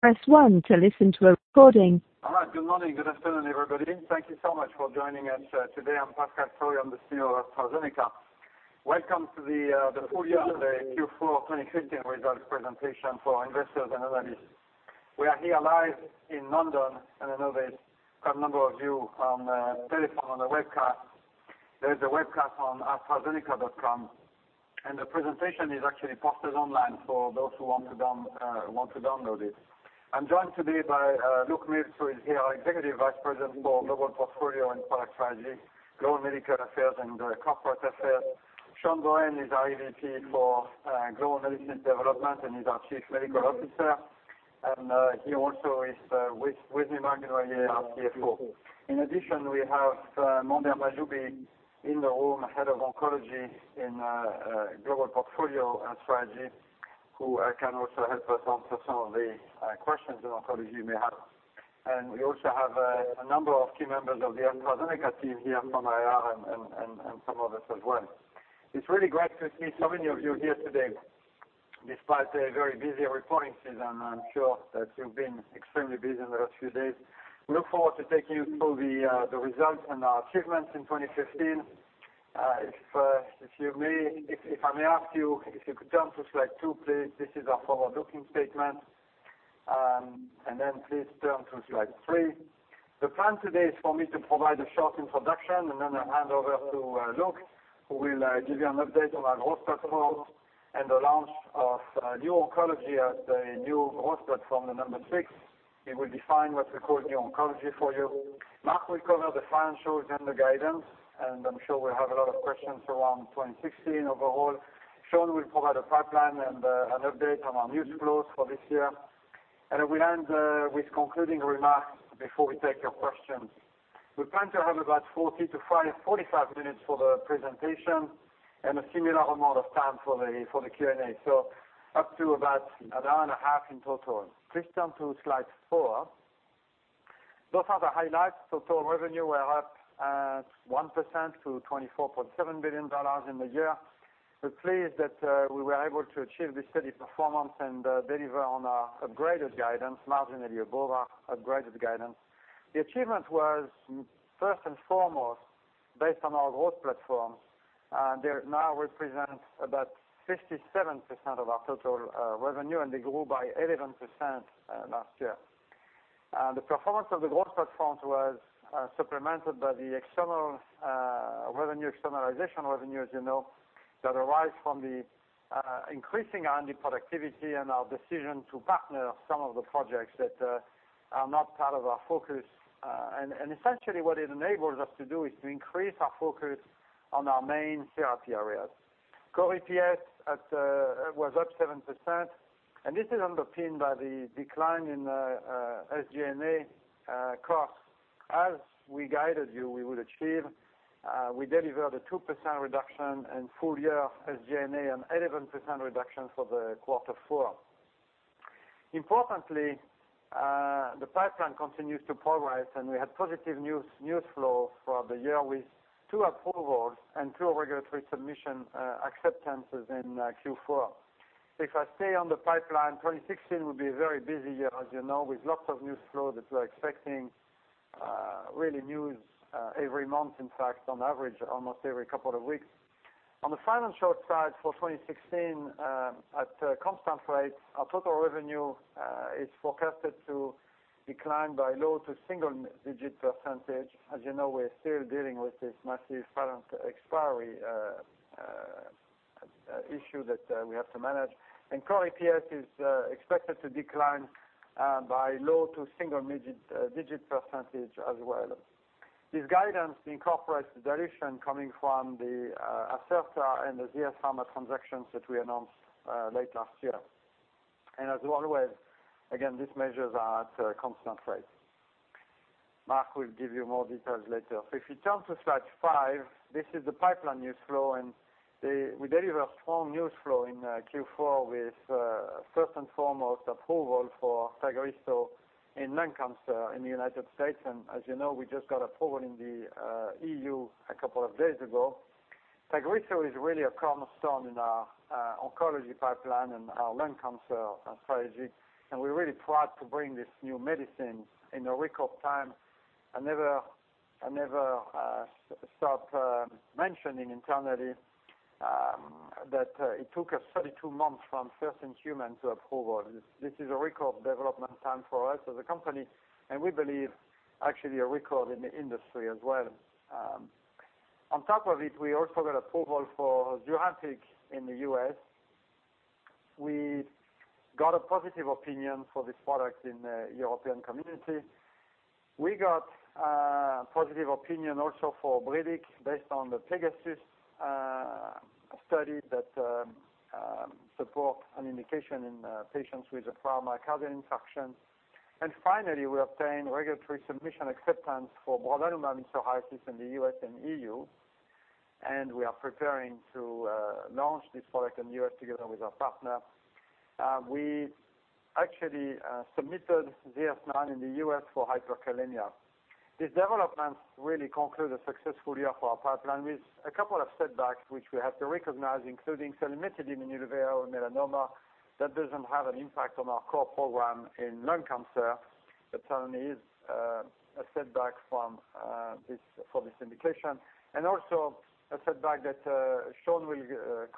Press one to listen to a recording. All right. Good morning. Good afternoon, everybody. Thank you so much for joining us today. I'm Pascal Soriot, I'm the CEO of AstraZeneca. Welcome to the full year and the Q4 2015 results presentation for investors and analysts. We are here live in London. I know there's quite a number of you on the telephone on the webcast. There's a webcast on astrazeneca.com. The presentation is actually posted online for those who want to download it. I'm joined today by Luke Miels, who is here, our Executive Vice President for Global Portfolio and Product Strategy, Global Medical Affairs, and Corporate Affairs. Sean Bohen is our EVP for Global Medicine Development and he's our Chief Medical Officer. Here also is Marc Dunoyer, our CFO. In addition, we have Mondher Mahjoubi in the room, Head of Oncology in Global Portfolio and Strategy, who can also help us answer some of the questions that Oncology may have. We also have a number of key members of the AstraZeneca team here from IR and some others as well. It's really great to see so many of you here today, despite the very busy reporting season. I'm sure that you've been extremely busy in the last few days. We look forward to taking you through the results and our achievements in 2015. If I may ask you, if you could turn to slide two, please. This is our forward-looking statement. Please turn to slide three. The plan today is for me to provide a short introduction. Then I'll hand over to Luke, who will give you an update on our growth platforms and the launch of New Oncology as the new growth platform, the number 6. He will define what we call New Oncology for you. Marc will cover the financials and the guidance. I'm sure we'll have a lot of questions around 2016 overall. Sean will provide a pipeline and an update on our news flows for this year. We'll end with concluding remarks before we take your questions. We plan to have about 40 to 45 minutes for the presentation and a similar amount of time for the Q&A. Up to about an hour and a half in total. Please turn to slide four. Those are the highlights. Total revenue were up 1% to $24.7 billion in the year. We're pleased that we were able to achieve this steady performance and deliver on our upgraded guidance, marginally above our upgraded guidance. The achievement was first and foremost based on our growth platforms. They now represent about 57% of our total revenue, and they grew by 11% last year. The performance of the growth platforms was supplemented by the external revenue, externalization revenue, as you know, that arise from the increasing R&D productivity and our decision to partner some of the projects that are not part of our focus. Essentially what it enables us to do is to increase our focus on our main therapy areas. Core EPS was up 7%, and this is underpinned by the decline in SG&A costs. As we guided you we would achieve, we delivered a 2% reduction in full year SG&A and 11% reduction for the quarter four. Importantly, the pipeline continues to progress and we had positive news flow for the year with two approvals and two regulatory submission acceptances in Q4. If I stay on the pipeline, 2016 will be a very busy year, as you know, with lots of news flow that we're expecting really news every month, in fact, on average, almost every couple of weeks. On the financial side for 2016, at constant rates, our total revenue is forecasted to decline by low to single-digit percentage. As you know, we're still dealing with this massive patent expiry issue that we have to manage. Core EPS is expected to decline by low to single-digit percentage as well. This guidance incorporates the dilution coming from the Acerta and the ZS Pharma transactions that we announced late last year. As always, again, these measures are at constant rates. Marc will give you more details later. If we turn to slide five, this is the pipeline news flow, and we delivered a strong news flow in Q4 with first and foremost approval for TAGRISSO in lung cancer in the U.S. As you know, we just got approval in the EU a couple of days ago. TAGRISSO is really a cornerstone in our oncology pipeline and our lung cancer strategy, and we're really proud to bring this new medicine in a record time. I never stop mentioning internally that it took us 32 months from first-in-human to approval. This is a record development time for us as a company, and we believe actually a record in the industry as well. On top of it, we also got approval for Imfinzi in the U.S. We got a positive opinion for this product in the European community. We got a positive opinion also for Brilique based on the PEGASUS study that supports an indication in patients with a pharmacologic infarction. Finally, we obtained regulatory submission acceptance for brodalumab in psoriasis in the U.S. and EU, and we are preparing to launch this product in the U.S. together with our partner. We actually submitted ZS-9 in the U.S. for hyperkalemia. These developments really conclude a successful year for our pipeline with a couple of setbacks, which we have to recognize, including selumetinib in uveal melanoma. That doesn't have an impact on our core program in lung cancer, but certainly is a setback for this indication, and also a setback that Sean will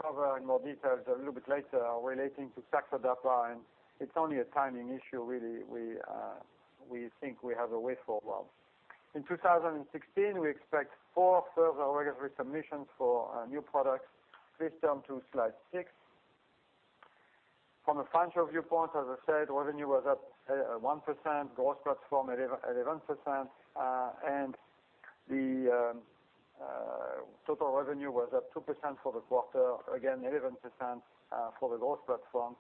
cover in more details a little bit later relating to Saxdapa. It's only a timing issue, really. We think we have a way forward. In 2016, we expect four further regulatory submissions for new products. Please turn to Slide 6. From a financial viewpoint, as I said, revenue was up 1%, gross platform 11%, and the total revenue was up 2% for the quarter, again, 11% for the gross platform.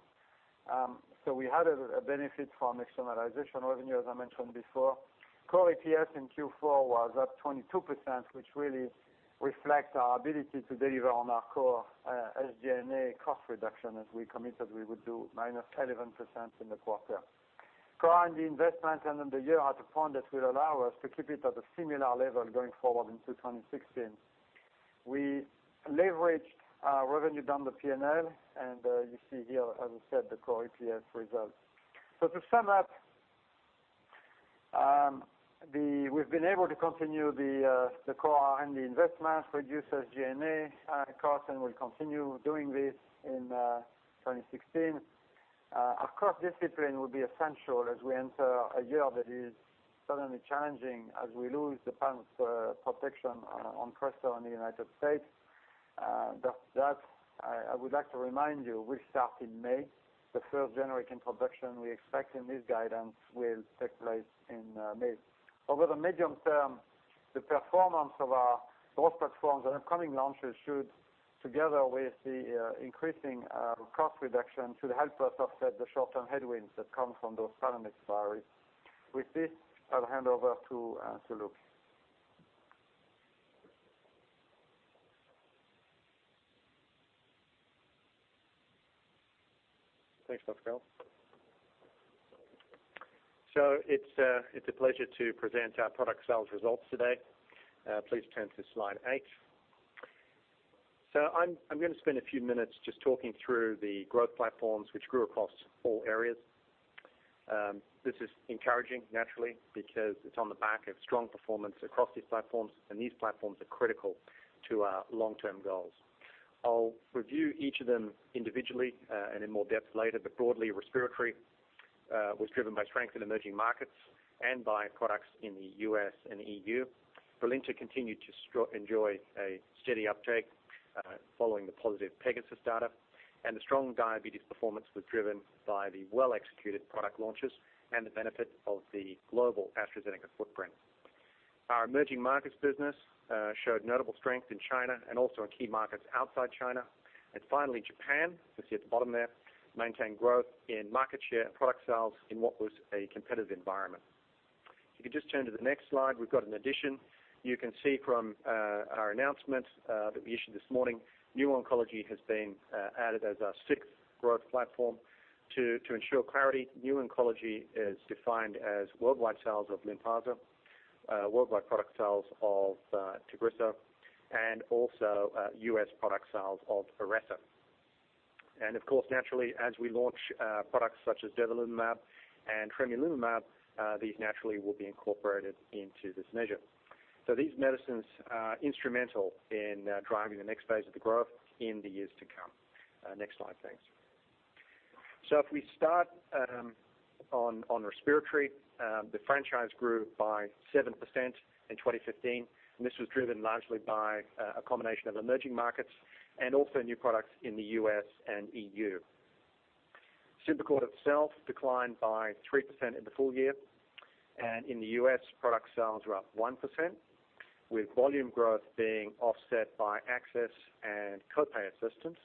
We had a benefit from externalization revenue, as I mentioned before. Core EPS in Q4 was up 22%, which really reflects our ability to deliver on our core SG&A cost reduction as we committed we would do minus 11% in the quarter. R&D investment and in the year are at a point that will allow us to keep it at a similar level going forward in 2016. We leveraged our revenue down the P&L, and you see here, as I said, the core EPS results. To sum up, we've been able to continue the core R&D investment, reduce SG&A costs, and we'll continue doing this in 2016. Our cross-discipline will be essential as we enter a year that is certainly challenging as we lose the patent protection on Crestor in the U.S. That, I would like to remind you, will start in May. The first generic introduction we expect in this guidance will take place in May. Over the medium term, the performance of our growth platforms and upcoming launches should, together with the increasing cost reduction, should help us offset the short-term headwinds that come from those patent expiries. With this, I'll hand over to Luke. Thanks, Pascal. It's a pleasure to present our product sales results today. Please turn to Slide 8. I'm going to spend a few minutes just talking through the growth platforms which grew across all areas. This is encouraging, naturally, because it's on the back of strong performance across these platforms, and these platforms are critical to our long-term goals. I'll review each of them individually and in more depth later, but broadly, respiratory was driven by strength in emerging markets and by products in the U.S. and EU. Brilinta continued to enjoy a steady uptake following the positive PEGASUS data, and the strong diabetes performance was driven by the well-executed product launches and the benefit of the global AstraZeneca footprint. Our emerging markets business showed notable strength in China and also in key markets outside China. Finally, Japan, you'll see at the bottom there, maintained growth in market share and product sales in what was a competitive environment. If you could just turn to the next slide, we've got an addition. You can see from our announcement that we issued this morning, new oncology has been added as our sixth growth platform to ensure clarity. New oncology is defined as worldwide sales of Lynparza, worldwide product sales of Tagrisso, and also U.S. product sales of Iressa. Of course, naturally, as we launch products such as durvalumab and tremelimumab, these naturally will be incorporated into this measure. These medicines are instrumental in driving the next phase of the growth in the years to come. Next slide, thanks. If we start on respiratory, the franchise grew by 7% in 2015, and this was driven largely by a combination of emerging markets and also new products in the U.S. and EU. Symbicort itself declined by 3% in the full year, and in the U.S., product sales were up 1%, with volume growth being offset by access and co-pay assistance.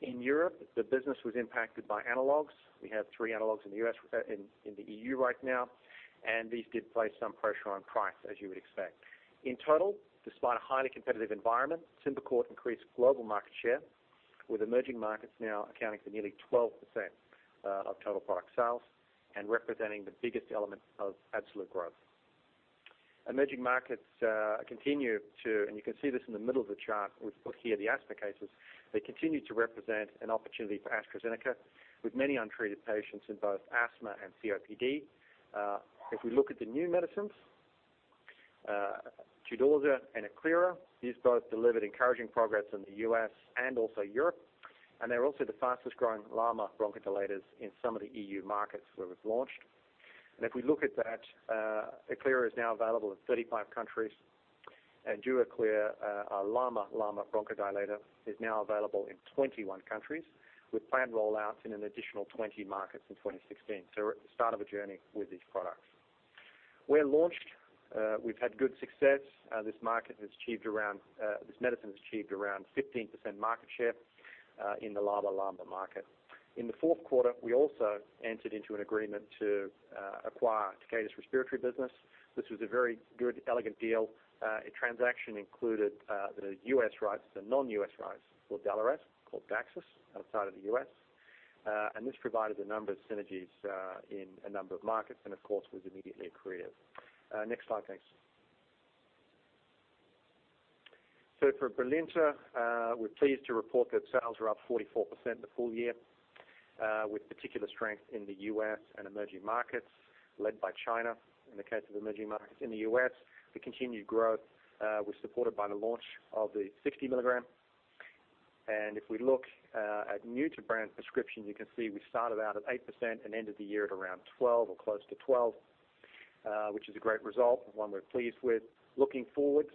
In Europe, the business was impacted by analogs. We have three analogs in the EU right now, and these did place some pressure on price, as you would expect. In total, despite a highly competitive environment, Symbicort increased global market share, with emerging markets now accounting for nearly 12% of total product sales and representing the biggest element of absolute growth. Emerging markets continue to, you can see this in the middle of the chart, we've put here the asthma cases, they continue to represent an opportunity for AstraZeneca with many untreated patients in both asthma and COPD. If we look at the new medicines, Duaklir and Eklira, these both delivered encouraging progress in the U.S. and also Europe, and they're also the fastest growing LAMA bronchodilators in some of the EU markets where it's launched. If we look at that, Eklira is now available in 35 countries, and Duaklir, a LAMA bronchodilator, is now available in 21 countries, with planned rollouts in an additional 20 markets in 2016. We're at the start of a journey with these products. Where launched, we've had good success. This medicine has achieved around 15% market share in the LAMA market. In the fourth quarter, we also entered into an agreement to acquire Takeda's respiratory business. This was a very good, elegant deal. A transaction included the U.S. rights, the non-U.S. rights called Daliresp, called Daxas outside of the U.S. This provided a number of synergies in a number of markets and, of course, was immediately accretive. Next slide. Thanks. For Brilinta, we're pleased to report that sales are up 44% in the full year, with particular strength in the U.S. and emerging markets led by China in the case of emerging markets. In the U.S., the continued growth was supported by the launch of the 60 milligram. If we look at new-to-brand prescription, you can see we started out at 8% and ended the year at around 12 or close to 12, which is a great result and one we're pleased with. Looking forward,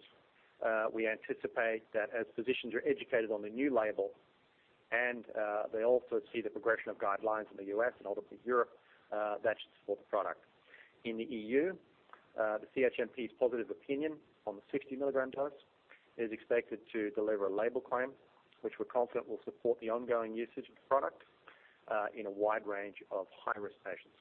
we anticipate that as physicians are educated on the new label and they also see the progression of guidelines in the U.S. and ultimately Europe, that should support the product. In the EU, the CHMP's positive opinion on the 60-milligram dose is expected to deliver a label claim, which we're confident will support the ongoing usage of the product in a wide range of high-risk patients.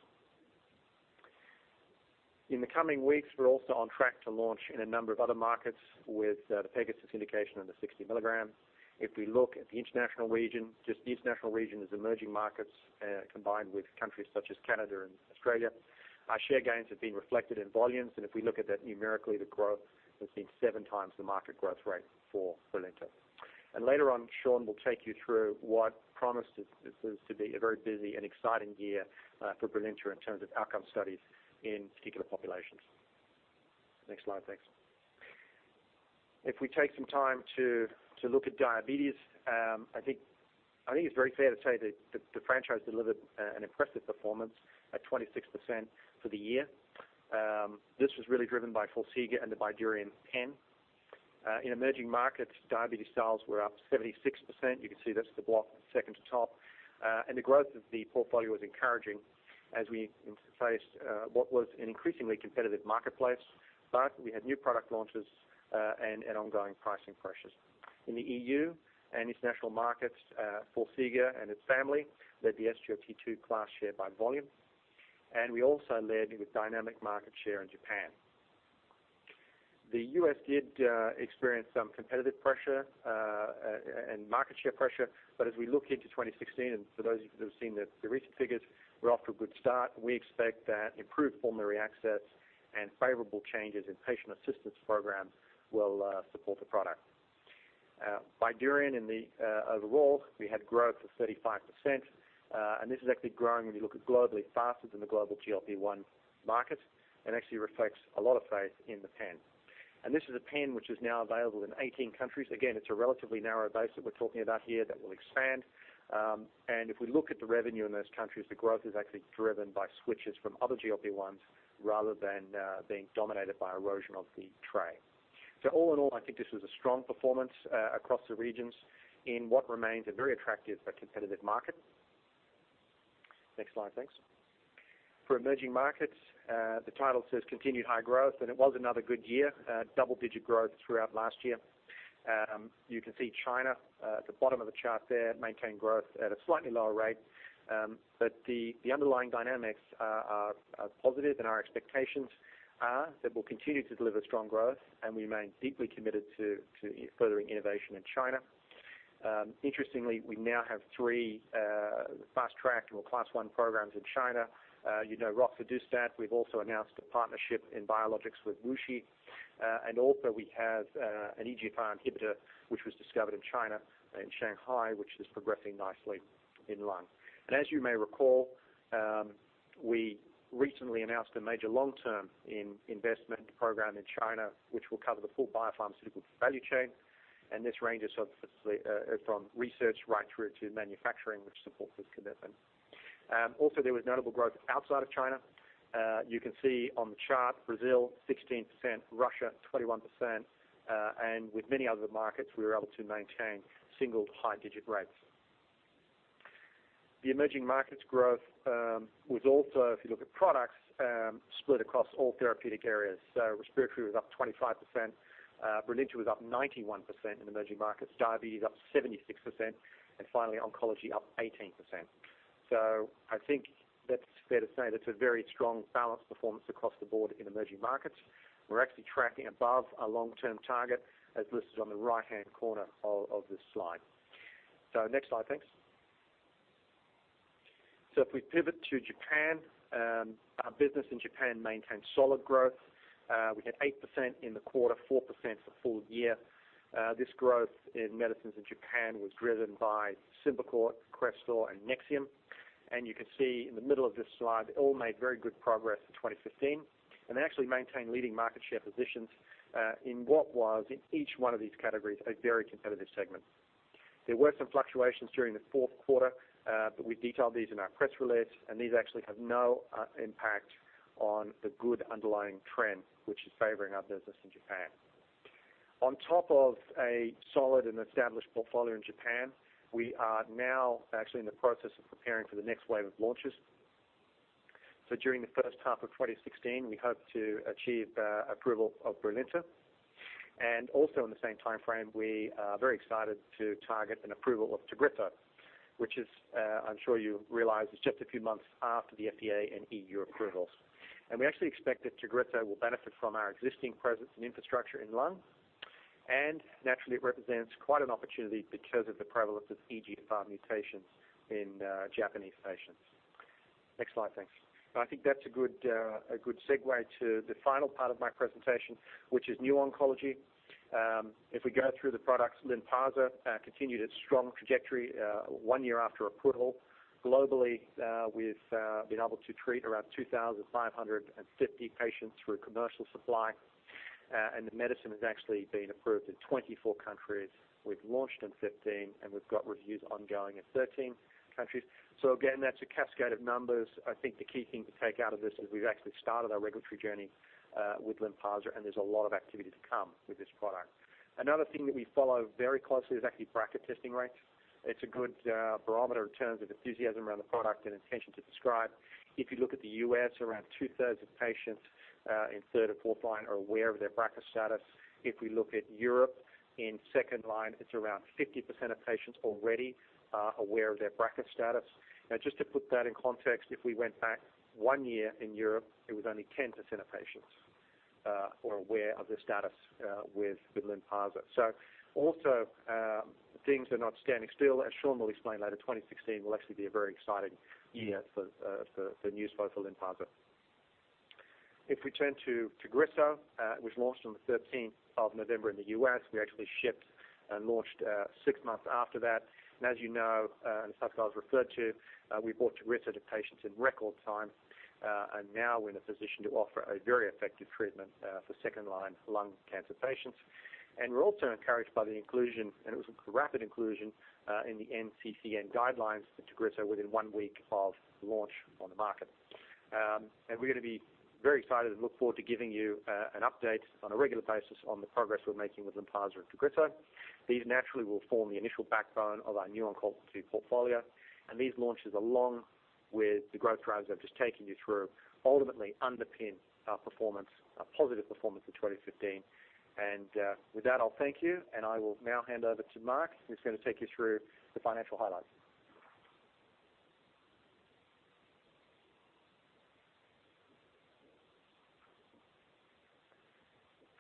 In the coming weeks, we're also on track to launch in a number of other markets with the PEGASUS indication and the 60 milligrams. If we look at the international region, just the international region is emerging markets combined with countries such as Canada and Australia. Our share gains have been reflected in volumes, and if we look at that numerically, the growth has been seven times the market growth rate for Brilinta. Sean will take you through what promises to be a very busy and exciting year for Brilinta in terms of outcome studies in particular populations. Next slide. Thanks. If we take some time to look at diabetes, I think it's very fair to say that the franchise delivered an impressive performance at 26% for the year. This was really driven by Forxiga and the BYDUREON pen. In emerging markets, diabetes sales were up 76%. You can see that's the block second to top. The growth of the portfolio is encouraging as we face what was an increasingly competitive marketplace, but we had new product launches and ongoing pricing pressures. In the EU and international markets, Forxiga and its family led the SGLT2 class share by volume. We also led with dynamic market share in Japan. The U.S. did experience some competitive pressure and market share pressure. As we look into 2016, and for those of you that have seen the recent figures, we're off to a good start. We expect that improved formulary access and favorable changes in patient assistance programs will support the product. BYDUREON, overall, we had growth of 35%, and this is actually growing, when you look at globally, faster than the global GLP-1 market and actually reflects a lot of faith in the pen. This is a pen which is now available in 18 countries. Again, it's a relatively narrow base that we're talking about here that will expand. If we look at the revenue in those countries, the growth is actually driven by switches from other GLP-1s rather than being dominated by erosion of the tray. All in all, I think this was a strong performance across the regions in what remains a very attractive but competitive market. Next slide. Thanks. For emerging markets, the title says Continued High Growth, it was another good year, double-digit growth throughout last year. You can see China at the bottom of the chart there, maintained growth at a slightly lower rate. The underlying dynamics are positive, and our expectations are that we'll continue to deliver strong growth, we remain deeply committed to furthering innovation in China. Interestingly, we now have 3 fast-tracked or Class 1 programs in China. You know roxadustat. We've also announced a partnership in biologics with Wuxi. Also we have an EGFR inhibitor, which was discovered in China, in Shanghai, which is progressing nicely in lung. As you may recall, we recently announced a major long-term investment program in China, which will cover the full biopharmaceutical value chain. This ranges from research right through to manufacturing, which supports this commitment. Also, there was notable growth outside of China. You can see on the chart, Brazil 16%, Russia 21%, with many other markets, we were able to maintain single high-digit rates. The emerging markets growth was also, if you look at products, split across all therapeutic areas. Respiratory was up 25%, Brilinta was up 91% in emerging markets, diabetes up 76%, finally, oncology up 18%. I think that's fair to say that's a very strong, balanced performance across the board in emerging markets. We're actually tracking above our long-term target as listed on the right-hand corner of this slide. Next slide, thanks. If we pivot to Japan, our business in Japan maintained solid growth. We had 8% in the quarter, 4% for full year. This growth in medicines in Japan was driven by Symbicort, Crestor, and NEXIUM. You can see in the middle of this slide, they all made very good progress in 2015, and they actually maintained leading market share positions in what was, in each one of these categories, a very competitive segment. There were some fluctuations during the fourth quarter, we detailed these in our press release, and these actually have no impact on the good underlying trend, which is favoring our business in Japan. On top of a solid and established portfolio in Japan, we are now actually in the process of preparing for the next wave of launches. During the first half of 2016, we hope to achieve approval of Brilinta. Also in the same time frame, we are very excited to target an approval of TAGRISSO, which is, I'm sure you realize, is just a few months after the FDA and EU approvals. We actually expect that TAGRISSO will benefit from our existing presence and infrastructure. Naturally, it represents quite an opportunity because of the prevalence of EGFR mutations in Japanese patients. Next slide, thanks. I think that's a good segue to the final part of my presentation, which is new oncology. If we go through the products, LYNPARZA continued its strong trajectory one year after approval. Globally, we've been able to treat around 2,550 patients through commercial supply. The medicine has actually been approved in 24 countries. We've launched in 15, and we've got reviews ongoing in 13 countries. Again, that's a cascade of numbers. I think the key thing to take out of this is we've actually started our regulatory journey with LYNPARZA, there's a lot of activity to come with this product. Another thing that we follow very closely is actually BRCA testing rates. It's a good barometer in terms of enthusiasm around the product and intention to prescribe. If you look at the U.S., around two-thirds of patients in 3rd and 4th line are aware of their BRCA status. If we look at Europe, in 2nd line, it's around 50% of patients already are aware of their BRCA status. Now, just to put that in context, if we went back one year in Europe, it was only 10% of patients who are aware of their status with LYNPARZA. Also, things are not standing still. As Sean will explain later, 2016 will actually be a very exciting year for news both for LYNPARZA. If we turn to TAGRISSO, it was launched on the 13th of November in the U.S. We actually shipped and launched six months after that. As you know, and as Pascal has referred to, we brought TAGRISSO to patients in record time, and now we're in a position to offer a very effective treatment for 2nd-line lung cancer patients. We're also encouraged by the inclusion, and it was rapid inclusion, in the NCCN guidelines for TAGRISSO within one week of launch on the market. We're going to be very excited and look forward to giving you an update on a regular basis on the progress we're making with LYNPARZA and TAGRISSO. These naturally will form the initial backbone of our new oncology portfolio, these launches, along with the growth drivers I've just taken you through, ultimately underpin our performance, our positive performance in 2015. With that, I'll thank you, I will now hand over to Marc, who's going to take you through the financial highlights.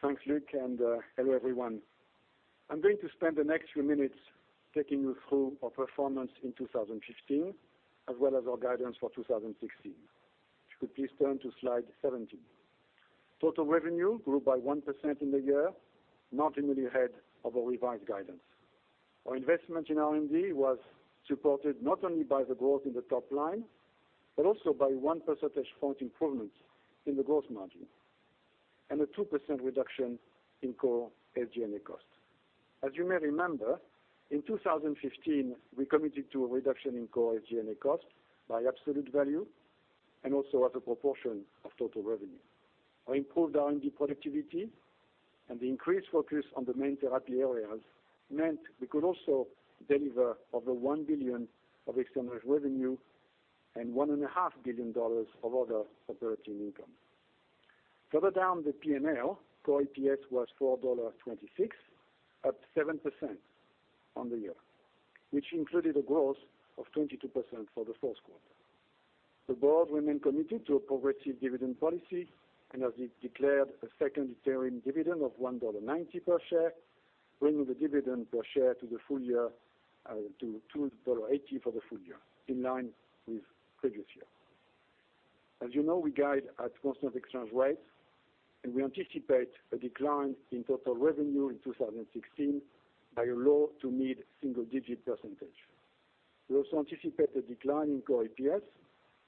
Thanks, Luke. Hello, everyone. I'm going to spend the next few minutes taking you through our performance in 2015 as well as our guidance for 2016. If you could please turn to Slide 17. Total revenue grew by 1% in the year, not only ahead of our revised guidance. Our investment in R&D was supported not only by the growth in the top line, but also by one percentage point improvement in the growth margin and a 2% reduction in core SG&A costs. As you may remember, in 2015, we committed to a reduction in core SG&A costs by absolute value and also as a proportion of total revenue. Our improved R&D productivity and the increased focus on the main therapy areas meant we could also deliver over $1 billion of external revenue and $1.5 billion of other operating income. Further down the P&L, core EPS was $4.26, up 7% on the year, which included a growth of 22% for the fourth quarter. The board remains committed to a progressive dividend policy and has declared a second interim dividend of $1.90 per share, bringing the dividend per share to $2.80 for the full year, in line with the previous year. As you know, we guide at constant exchange rates, we anticipate a decline in total revenue in 2016 by low- to mid-single-digit percentage. We also anticipate a decline in core EPS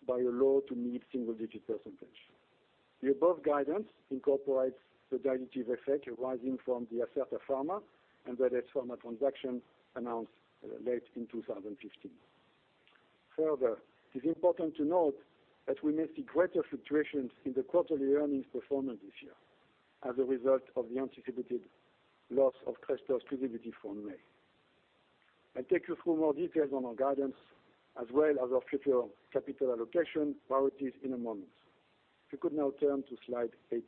by a low- to mid-single-digit percentage. The above guidance incorporates the dilutive effect arising from the Acerta Pharma and the ZS Pharma transaction announced late in 2015. Further, it's important to note that we may see greater fluctuations in the quarterly earnings performance this year as a result of the anticipated loss of Crestor's exclusivity from May. I'll take you through more details on our guidance as well as our future capital allocation priorities in a moment. If you could now turn to Slide 18.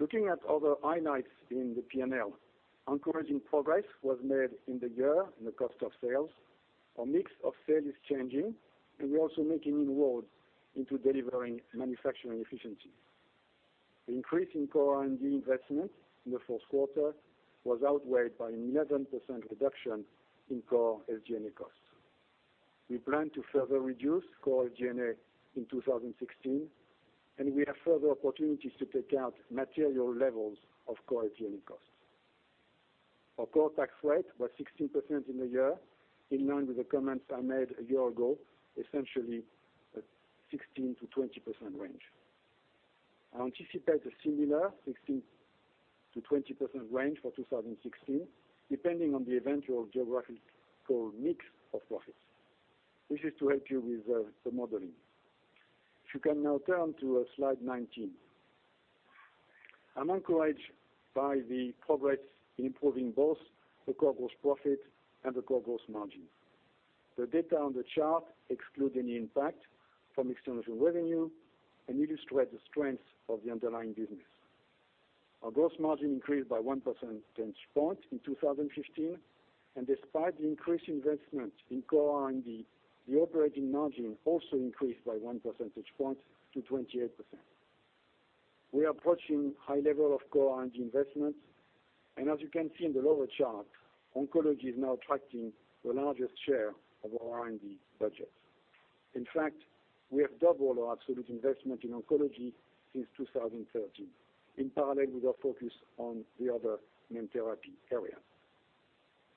Looking at other highlights in the P&L, encouraging progress was made in the year in the cost of sales. Our mix of sales is changing, we're also making inroads into delivering manufacturing efficiency. The increase in core R&D investment in the fourth quarter was outweighed by an 11% reduction in core SG&A costs. We plan to further reduce core SG&A in 2016, we have further opportunities to take out material levels of core SG&A costs. Our core tax rate was 16% in the year, in line with the comments I made a year ago, essentially a 16%-20% range. I anticipate a similar 16%-20% range for 2016, depending on the eventual geographical mix of profits. This is to help you with the modeling. If you can now turn to Slide 19. I'm encouraged by the progress in improving both the core gross profit and the core gross margin. The data on the chart excludes any impact from external revenue and illustrates the strength of the underlying business. Our gross margin increased by one percentage point in 2015. Despite the increased investment in core R&D, the operating margin also increased by one percentage point to 28%. We are approaching high level of core R&D investments, and as you can see in the lower chart, oncology is now attracting the largest share of our R&D budget. In fact, we have doubled our absolute investment in oncology since 2013, in parallel with our focus on the other main therapy area.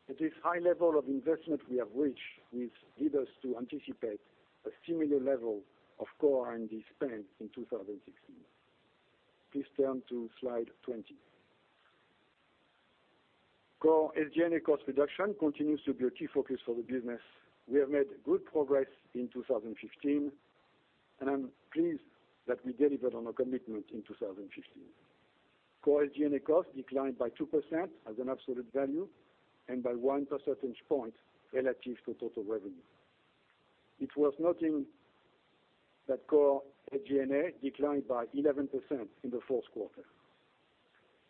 At this high level of investment we have reached, which lead us to anticipate a similar level of core R&D spend in 2016. Please turn to slide 20. Core SG&A cost reduction continues to be a key focus for the business. We have made good progress in 2015, and I'm pleased that we delivered on our commitment in 2015. Core SG&A cost declined by 2% as an absolute value and by one percentage point relative to total revenue. It's worth noting that core SG&A declined by 11% in the fourth quarter.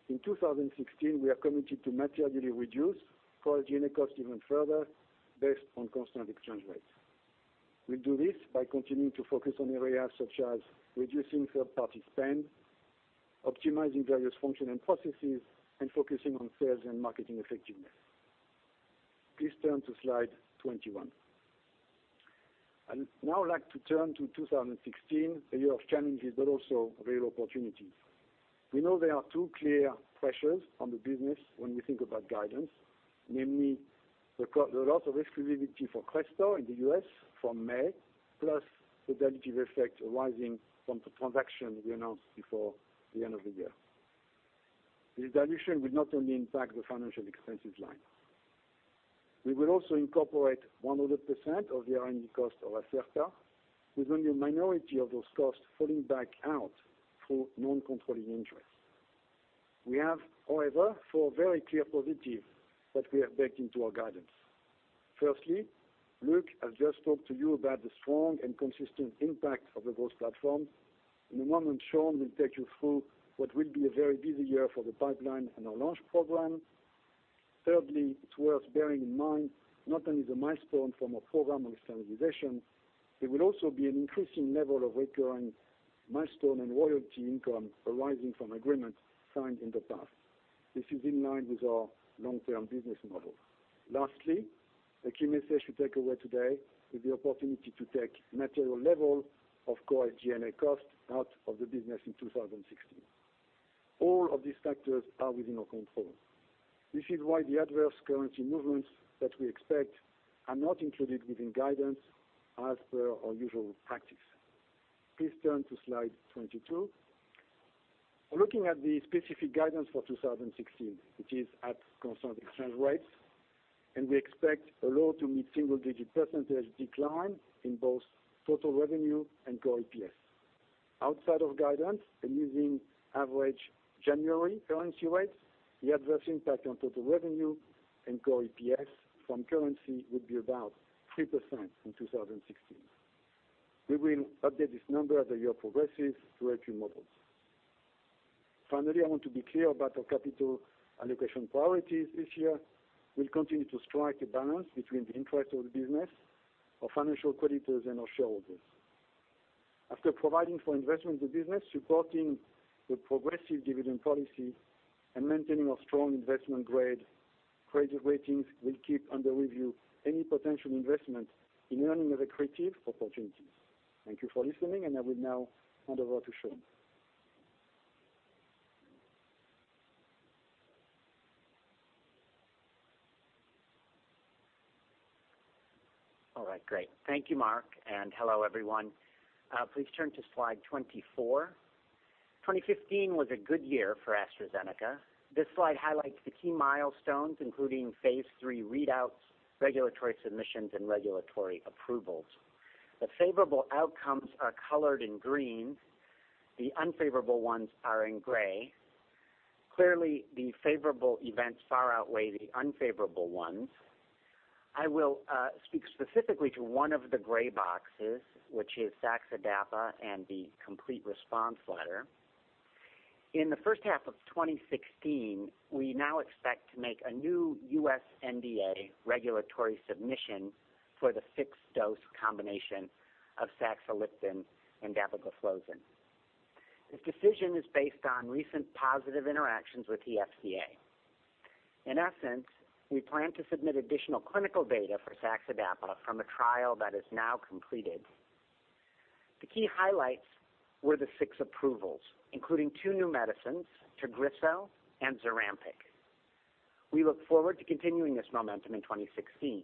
In 2016, we are committed to materially reduce core SG&A cost even further, based on constant exchange rates. We'll do this by continuing to focus on areas such as reducing third-party spend, optimizing various function and processes, and focusing on sales and marketing effectiveness. Please turn to slide 21. I'd now like to turn to 2016, a year of challenges, but also real opportunities. We know there are two clear pressures on the business when we think about guidance, namely the loss of exclusivity for Crestor in the U.S. from May, plus the dilutive effect arising from the transaction we announced before the end of the year. This dilution will not only impact the financial expenses line. We will also incorporate 100% of the R&D cost of Acerta, with only a minority of those costs falling back out through non-controlling interests. We have, however, four very clear positive that we have baked into our guidance. Firstly, Luke has just talked to you about the strong and consistent impact of the growth platforms. In a moment, Sean will take you through what will be a very busy year for the pipeline and our launch program. Thirdly, it's worth bearing in mind not only the milestone from our program of standardization, there will also be an increasing level of recurring milestone and royalty income arising from agreements signed in the past. This is in line with our long-term business model. Lastly, a key message to take away today is the opportunity to take material level of core SG&A cost out of the business in 2016. All of these factors are within our control. This is why the adverse currency movements that we expect are not included within guidance as per our usual practice. Please turn to slide 22. Looking at the specific guidance for 2016, which is at constant exchange rates, we expect a low to mid single-digit percentage decline in both total revenue and core EPS. Outside of guidance and using average January currency rates, the adverse impact on total revenue and core EPS from currency would be about 3% in 2016. We will update this number as the year progresses through our Q models. I want to be clear about our capital allocation priorities this year. We'll continue to strike a balance between the interest of the business, our financial creditors, and our shareholders. After providing for investment in the business, supporting the progressive dividend policy, and maintaining our strong investment-grade credit ratings, we'll keep under review any potential investment in non-accretive opportunities. Thank you for listening. I will now hand over to Sean. All right, great. Thank you, Marc. Hello, everyone. Please turn to slide 24. 2015 was a good year for AstraZeneca. This slide highlights the key milestones, including phase III readouts, regulatory submissions, and regulatory approvals. The favorable outcomes are colored in green. The unfavorable ones are in gray. The favorable events far outweigh the unfavorable ones. I will speak specifically to one of the gray boxes, which is Saxdapa, the complete response letter. In the first half of 2016, we now expect to make a new U.S. NDA regulatory submission for the fixed dose combination of saxagliptin and dapagliflozin. This decision is based on recent positive interactions with the FDA. In essence, we plan to submit additional clinical data for Saxdapa from a trial that is now completed. The key highlights were the six approvals, including two new medicines, Tagrisso and Zurampic. We look forward to continuing this momentum in 2016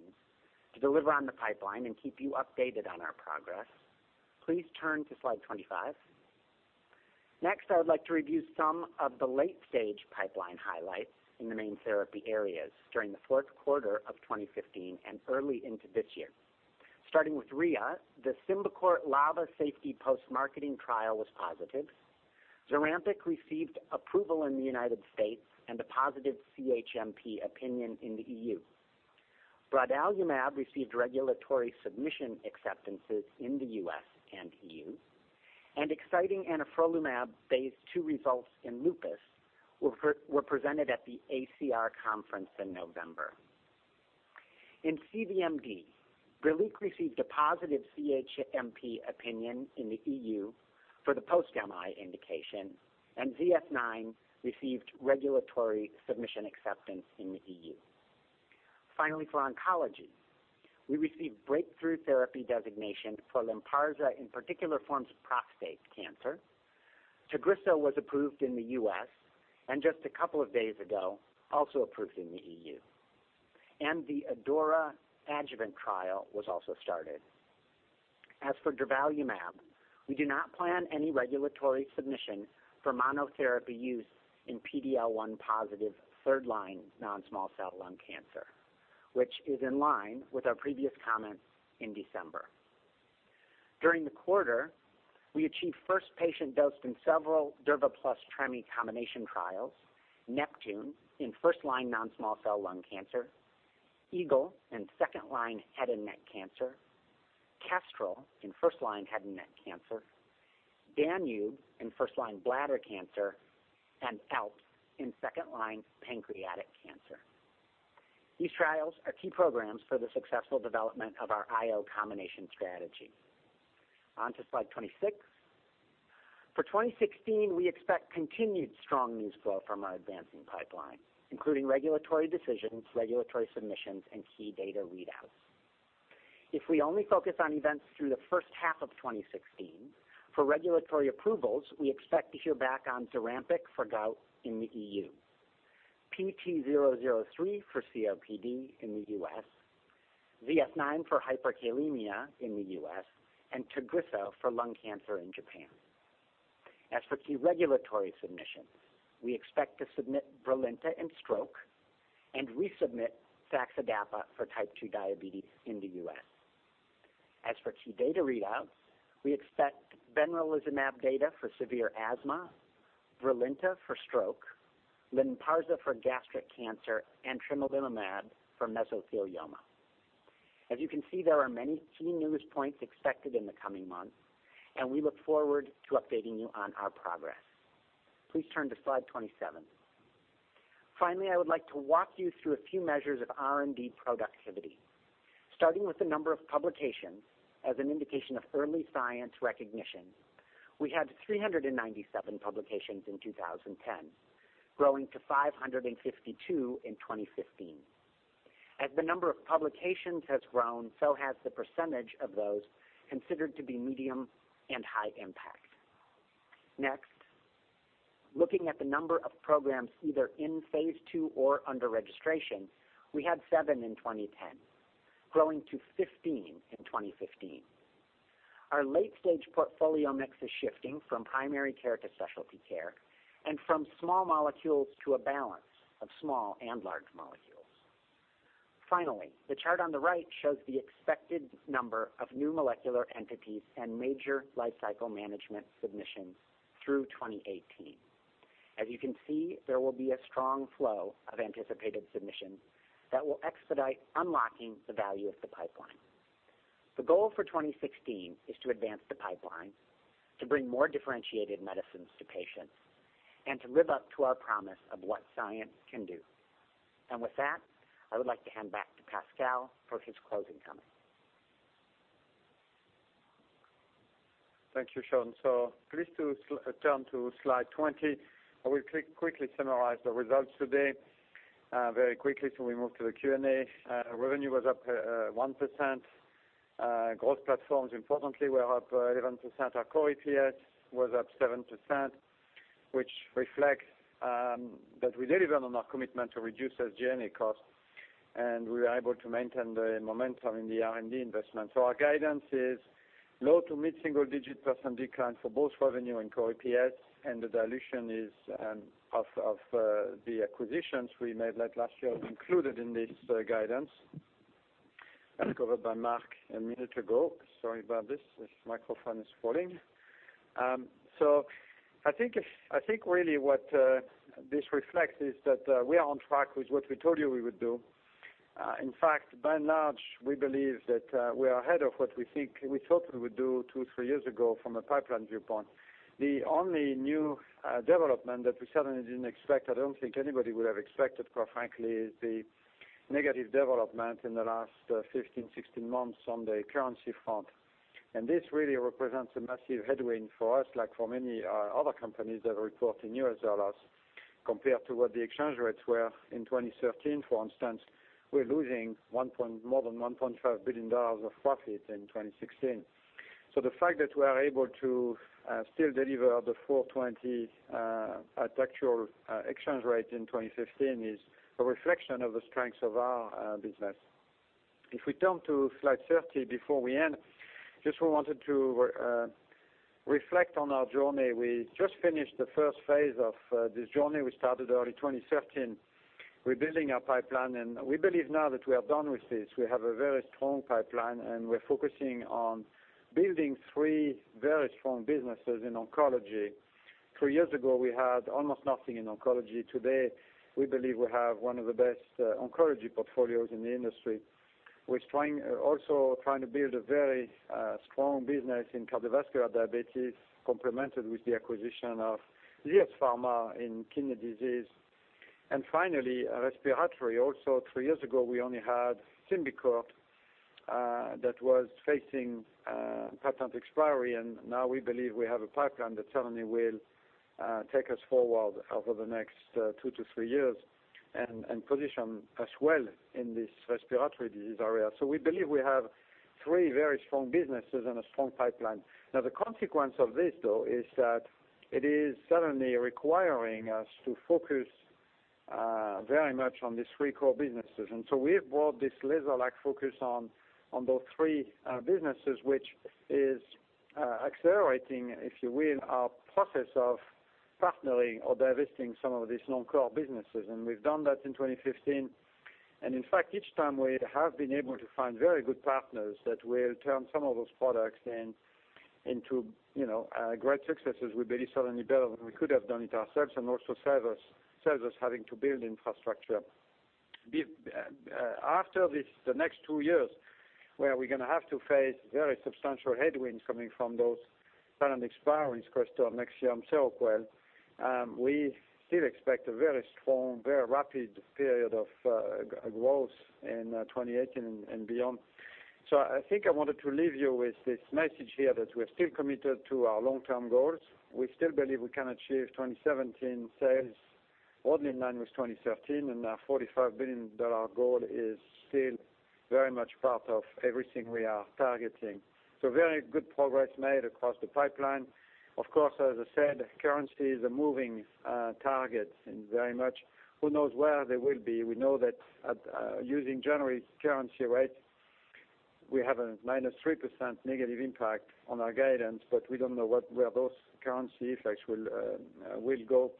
to deliver on the pipeline, keep you updated on our progress. Please turn to slide 25. I would like to review some of the late-stage pipeline highlights in the main therapy areas during the fourth quarter of 2015 and early into this year. Starting with RIA, the Symbicort LABA safety post-marketing trial was positive. Zurampic received approval in the United States and a positive CHMP opinion in the EU. anifrolumab received regulatory submission acceptances in the U.S. and EU. Exciting anifrolumab phase II results in lupus were presented at the ACR conference in November. In CVMD, BRILIQUE received a positive CHMP opinion in the EU for the post-MI indication. ZS-9 received regulatory submission acceptance in the EU. For oncology, we received breakthrough therapy designation for LYNPARZA in particular forms of prostate cancer. TAGRISSO was approved in the U.S., just a couple of days ago, also approved in the EU. The ADAURA adjuvant trial was also started. As for durvalumab, we do not plan any regulatory submission for monotherapy use in PD-L1 positive third line non-small cell lung cancer, which is in line with our previous comments in December. During the quarter, we achieved first patient dosed in several durva plus tremi combination trials: NEPTUNE in first-line non-small cell lung cancer, EAGLE in second line head and neck cancer, KESTREL in first line head and neck cancer, DANUBE in first line bladder cancer, and ALPS in second line pancreatic cancer. These trials are key programs for the successful development of our IO combination strategy. On to slide 26. For 2016, we expect continued strong news flow from our advancing pipeline, including regulatory decisions, regulatory submissions, key data readouts. If we only focus on events through the first half of 2016, for regulatory approvals, we expect to hear back on ZURAMPIC for gout in the EU, PT003 for COPD in the U.S., ZS-9 for hyperkalemia in the U.S., and TAGRISSO for lung cancer in Japan. As for key regulatory submissions, we expect to submit Brilinta in stroke and resubmit saxagliptin and dapagliflozin for type 2 diabetes in the U.S. As for key data readouts, we expect benralizumab data for severe asthma, Brilinta for stroke, LYNPARZA for gastric cancer, and tremelimumab for mesothelioma. As you can see, there are many key news points expected in the coming months, and we look forward to updating you on our progress. Please turn to slide 27. Finally, I would like to walk you through a few measures of R&D productivity. Starting with the number of publications as an indication of early science recognition, we had 397 publications in 2010, growing to 552 in 2015. As the number of publications has grown, so has the percentage of those considered to be medium and high impact. Next, looking at the number of programs either in phase II or under registration, we had seven in 2010, growing to 15 in 2015. Our late-stage portfolio mix is shifting from primary care to specialty care and from small molecules to a balance of small and large molecules. Finally, the chart on the right shows the expected number of new molecular entities and major lifecycle management submissions through 2018. As you can see, there will be a strong flow of anticipated submissions that will expedite unlocking the value of the pipeline. The goal for 2016 is to advance the pipeline, to bring more differentiated medicines to patients, and to live up to our promise of what science can do. And with that, I would like to hand back to Pascal for his closing comments. Thank you, Sean. Please turn to slide 20. I will quickly summarize the results today very quickly so we move to the Q&A. Revenue was up 1%. Growth platforms importantly were up 11%. Our core EPS was up 7%, which reflects that we delivered on our commitment to reduce SG&A costs, and we were able to maintain the momentum in the R&D investment. Our guidance is low to mid-single digit percent decline for both revenue and core EPS, and the dilution is of the acquisitions we made late last year included in this guidance as covered by Marc a minute ago. Sorry about this. This microphone is falling. I think really what this reflects is that we are on track with what we told you we would do. In fact, by and large, we believe that we are ahead of what we thought we would do two, three years ago from a pipeline viewpoint. The only new development that we certainly didn't expect, I don't think anybody would have expected quite frankly, is the negative development in the last 15, 16 months on the currency front. This really represents a massive headwind for us like for many other companies that report in U.S. dollars compared to what the exchange rates were in 2013, for instance. We're losing more than $1.5 billion of profit in 2016. The fact that we are able to still deliver the $4.20 at actual exchange rate in 2015 is a reflection of the strengths of our business. If we turn to slide 30 before we end, just wanted to reflect on our journey. We just finished the first phase of this journey we started early 2013, rebuilding our pipeline, and we believe now that we are done with this. We have a very strong pipeline. We're focusing on building three very strong businesses in oncology. Three years ago, we had almost nothing in oncology. Today, we believe we have one of the best oncology portfolios in the industry. We're also trying to build a very strong business in cardiovascular diabetes, complemented with the acquisition of ZS Pharma in kidney disease. Finally, respiratory. Also, three years ago, we only had SYMBICORT that was facing patent expiry. Now we believe we have a pipeline that certainly will take us forward over the next two to three years and position us well in this respiratory disease area. We believe we have three very strong businesses and a strong pipeline. Now, the consequence of this, though, is that it is certainly requiring us to focus very much on these three core businesses. We have brought this laser-like focus on those three businesses, which is accelerating, if you will, our process of partnering or divesting some of these non-core businesses. We've done that in 2015. In fact, each time we have been able to find very good partners that will turn some of those products into great successes. We believe certainly better than we could have done it ourselves. Also saves us having to build infrastructure. After this, the next two years, where we're going to have to face very substantial headwinds coming from those patent expiries, Crestor, NEXIUM, SEROQUEL, we still expect a very strong, very rapid period of growth in 2018 and beyond. I think I wanted to leave you with this message here that we're still committed to our long-term goals. We still believe we can achieve 2017 sales broadly in line with 2013, and our $45 billion goal is still very much part of everything we are targeting. Very good progress made across the pipeline. Of course, as I said, currency is a moving target. Very much who knows where they will be. We know that using January's currency rate, we have a -3% negative impact on our guidance. We don't know where those currency effects will go.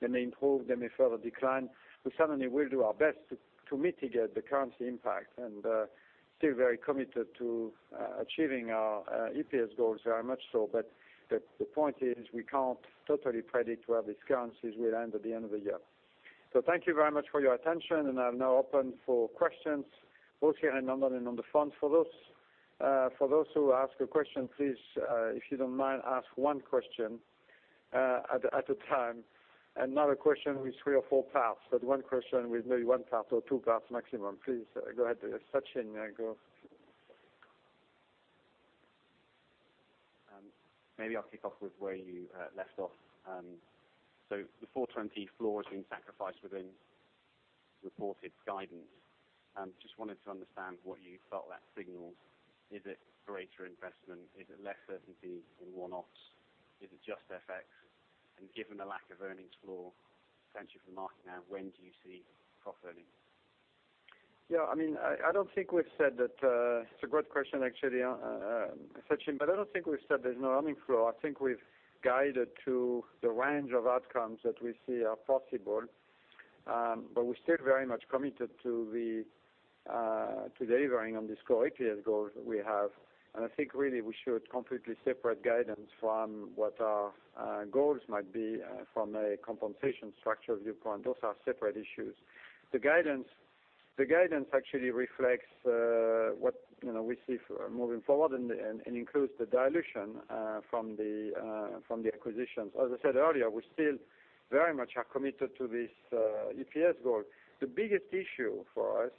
They may improve. They may further decline. We certainly will do our best to mitigate the currency impact and still very committed to achieving our EPS goals very much so. The point is we can't totally predict where these currencies will end at the end of the year. Thank you very much for your attention, and I'll now open for questions both here in London and on the phone. For those who ask a question, please, if you don't mind, ask one question at a time and not a question with three or four parts, but one question with maybe one part or two parts maximum. Please go ahead, Sachin, go. Maybe I'll kick off with where you left off. The full-year EPS floor is being sacrificed within reported guidance. Just wanted to understand what you felt that signals. Is it greater investment? Is it less certainty in one-offs? Is it just FX? And given the lack of earnings floor potentially for the market now, when do you see proper earnings? Yeah, it's a great question, actually, Sachin. I don't think we've said there's no earnings floor. I think we've guided to the range of outcomes that we see are possible. We're still very much committed to delivering on this core EPS goal that we have. I think really we should completely separate guidance from what our goals might be from a compensation structure viewpoint. Those are separate issues. The guidance actually reflects what we see moving forward and includes the dilution from the acquisitions. As I said earlier, we still very much are committed to this EPS goal. The biggest issue for us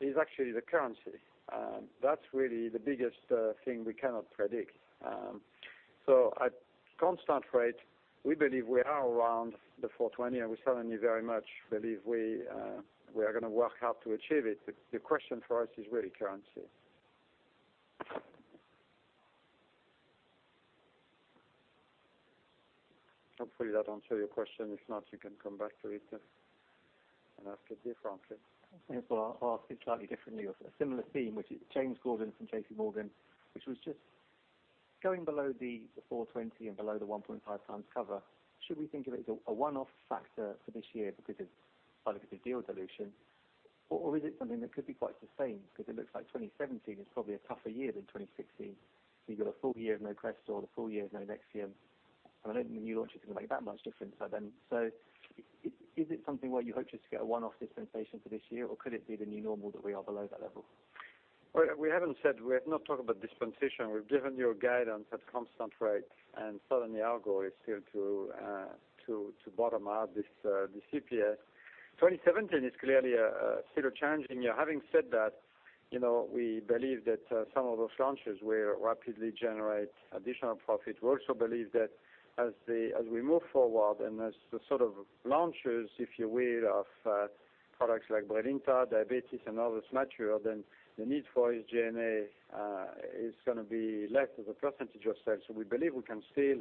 is actually the currency. That's really the biggest thing we cannot predict. At constant rate, we believe we are around the 4.20, and we certainly very much believe we are going to work hard to achieve it. The question for us is really currency. Hopefully that answers your question. If not, you can come back to it and ask a different question. I guess I'll ask it slightly differently or a similar theme. James Gordon from J.P. Morgan, which was just going below the $4.20 and below the 1.5 times cover, should we think of it as a one-off factor for this year because of either the deal dilution? Or is it something that could be quite sustained because it looks like 2017 is probably a tougher year than 2016. I don't think the new launch is going to make that much difference by then. So you've got a full year of no Crestor, the full year of no NEXIUM. Is it something where you hope just to get a one-off dispensation for this year, or could it be the new normal that we are below that level? We have not talked about dispensation. We've given you a guidance at constant rates, and certainly our goal is still to bottom out this EPS. 2017 is clearly still a challenging year. Having said that, we believe that some of those launches will rapidly generate additional profit. We also believe that as we move forward and as the sort of launches, if you will, of products like Brilinta, diabetes, and others mature, then the need for SG&A is going to be less as a percentage of sales. So we believe we can still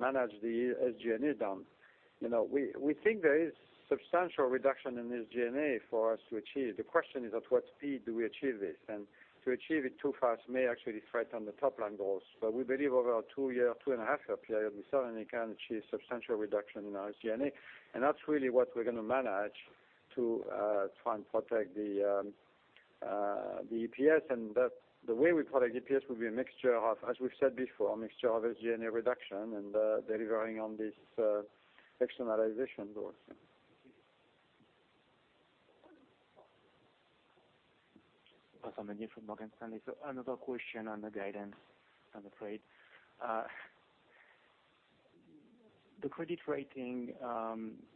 manage the SG&A down. We think there is substantial reduction in SG&A for us to achieve. The question is at what speed do we achieve this? And to achieve it too fast may actually threaten the top-line goals. But we believe over a two-year, two-and-a-half-year period, we certainly can achieve substantial reduction in our SG&A. That's really what we're going to manage to try and protect the EPS. The way we product EPS will be, as we've said before, a mixture of SG&A reduction and delivering on this externalization also. Vincent Meunier from Morgan Stanley. Another question on the guidance, I'm afraid. The credit rating,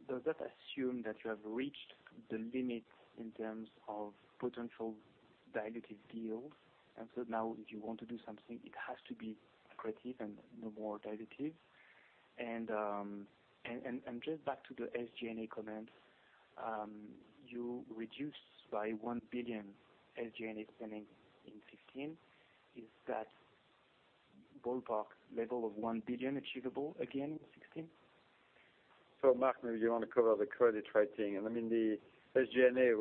does that assume that you have reached the limit in terms of potential dilutive deals? And so now if you want to do something, it has to be accretive and no more dilutive? And just back to the SG&A comments, you reduced by $1 billion SG&A spending in 2015. Is that ballpark level of $1 billion achievable again in 2016? Marc, maybe you want to cover the credit rating. I mean, the SG&A,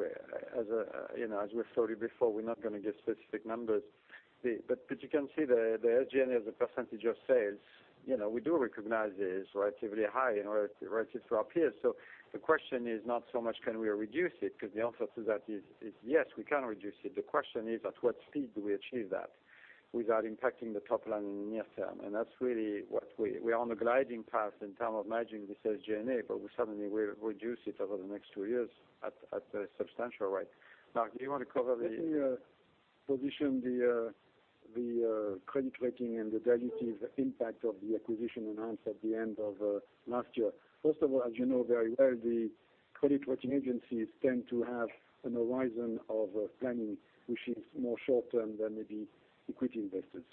as we've told you before, we're not going to give specific numbers. You can see the SG&A as a percentage of sales. We do recognize it is relatively high and relative to our peers. The question is not so much can we reduce it, because the answer to that is yes, we can reduce it. The question is, at what speed do we achieve that without impacting the top line in the near term? That's really what we are on a gliding path in terms of managing this SG&A, but we suddenly will reduce it over the next 2 years at a substantial rate. Marc, do you want to cover the- Let me position the credit rating and the dilutive impact of the acquisition announced at the end of last year. First of all, as you know very well, the credit rating agencies tend to have an horizon of planning, which is more short-term than maybe equity investors.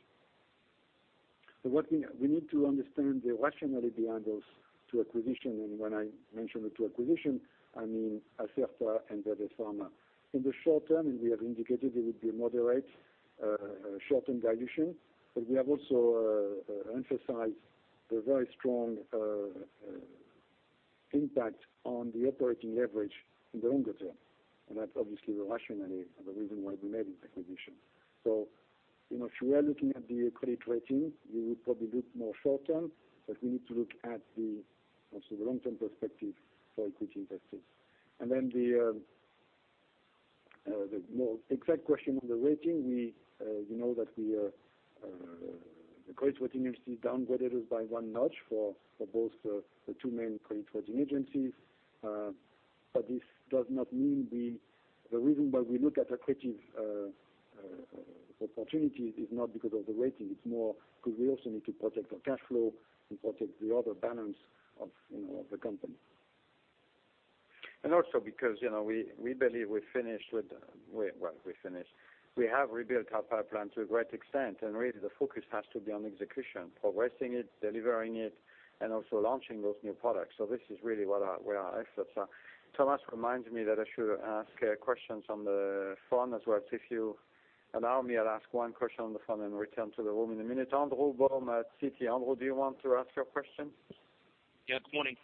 We need to understand the rationale behind those 2 acquisitions. When I mention the 2 acquisitions, I mean Acerta and Acerta Pharma. In the short term, we have indicated there would be a moderate short-term dilution, but we have also emphasized the very strong impact on the operating leverage in the longer term. That's obviously the rationale and the reason why we made this acquisition. If you are looking at the credit rating, you would probably look more short term, but we need to look at the long-term perspective for equity investors. Then the more exact question on the rating, you know that the credit rating agency downgraded us by 1 notch for both the 2 main credit rating agencies. This does not mean the reason why we look at accretive opportunities is not because of the rating. It's more because we also need to protect our cash flow and protect the other balance of the company. Also because we believe we're finished with Well, we're finished. We have rebuilt our pipeline to a great extent, really the focus has to be on execution, progressing it, delivering it, and also launching those new products. This is really where our efforts are. Thomas Kudsk Larsen reminds me that I should ask questions on the phone as well. If you allow me, I'll ask 1 question on the phone and return to the room in a minute. Andrew Baum at Citi. Andrew, do you want to ask your question? Yeah. Good morning.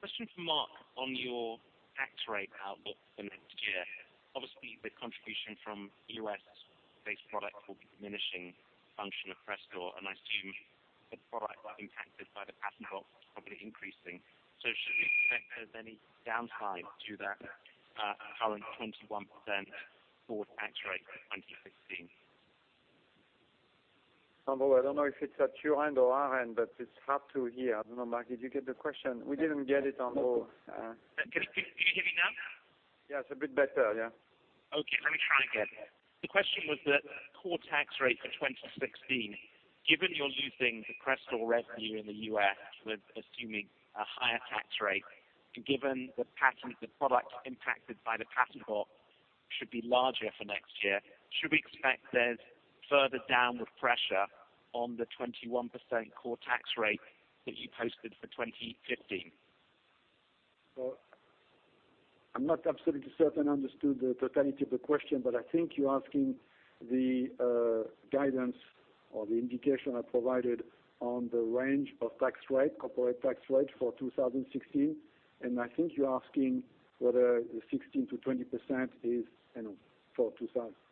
Question for Mark on your tax rate outlook for next year. Obviously, the contribution from U.S.-based products will be diminishing function of Crestor, and I assume the products impacted by the patent box is probably increasing. Should we expect there's any downside to that current 21% core tax rate for 2016? Andrew, I don't know if it's at your end or our end, but it's hard to hear. I don't know, Mark, did you get the question? We didn't get it, Andrew. Can you hear me now? Yeah, it's a bit better. Yeah. Okay, let me try again. The question was the core tax rate for 2016. Given you're losing the Crestor revenue in the U.S., we're assuming a higher tax rate. Given the product impacted by the patent box should be larger for next year, should we expect there's further downward pressure on the 21% core tax rate that you posted for 2015? I'm not absolutely certain I understood the totality of the question, I think you're asking the guidance or the indication I provided on the range of tax rate, corporate tax rate for 2016. I think you're asking whether the 16%-20%,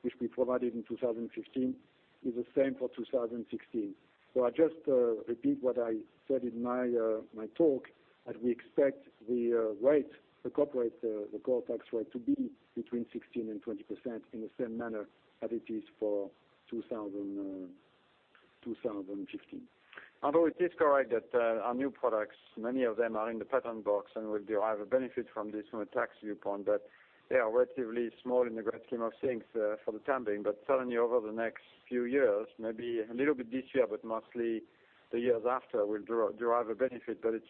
which we provided in 2015, is the same for 2016. I just repeat what I said in my talk, that we expect the rate, the core tax rate, to be between 16%-20% in the same manner as it is for 2015. Andrew, it is correct that our new products, many of them are in the patent box, we derive a benefit from this from a tax viewpoint. They are relatively small in the great scheme of things for the time being. Certainly over the next few years, maybe a little bit this year, mostly the years after, we'll derive a benefit. It's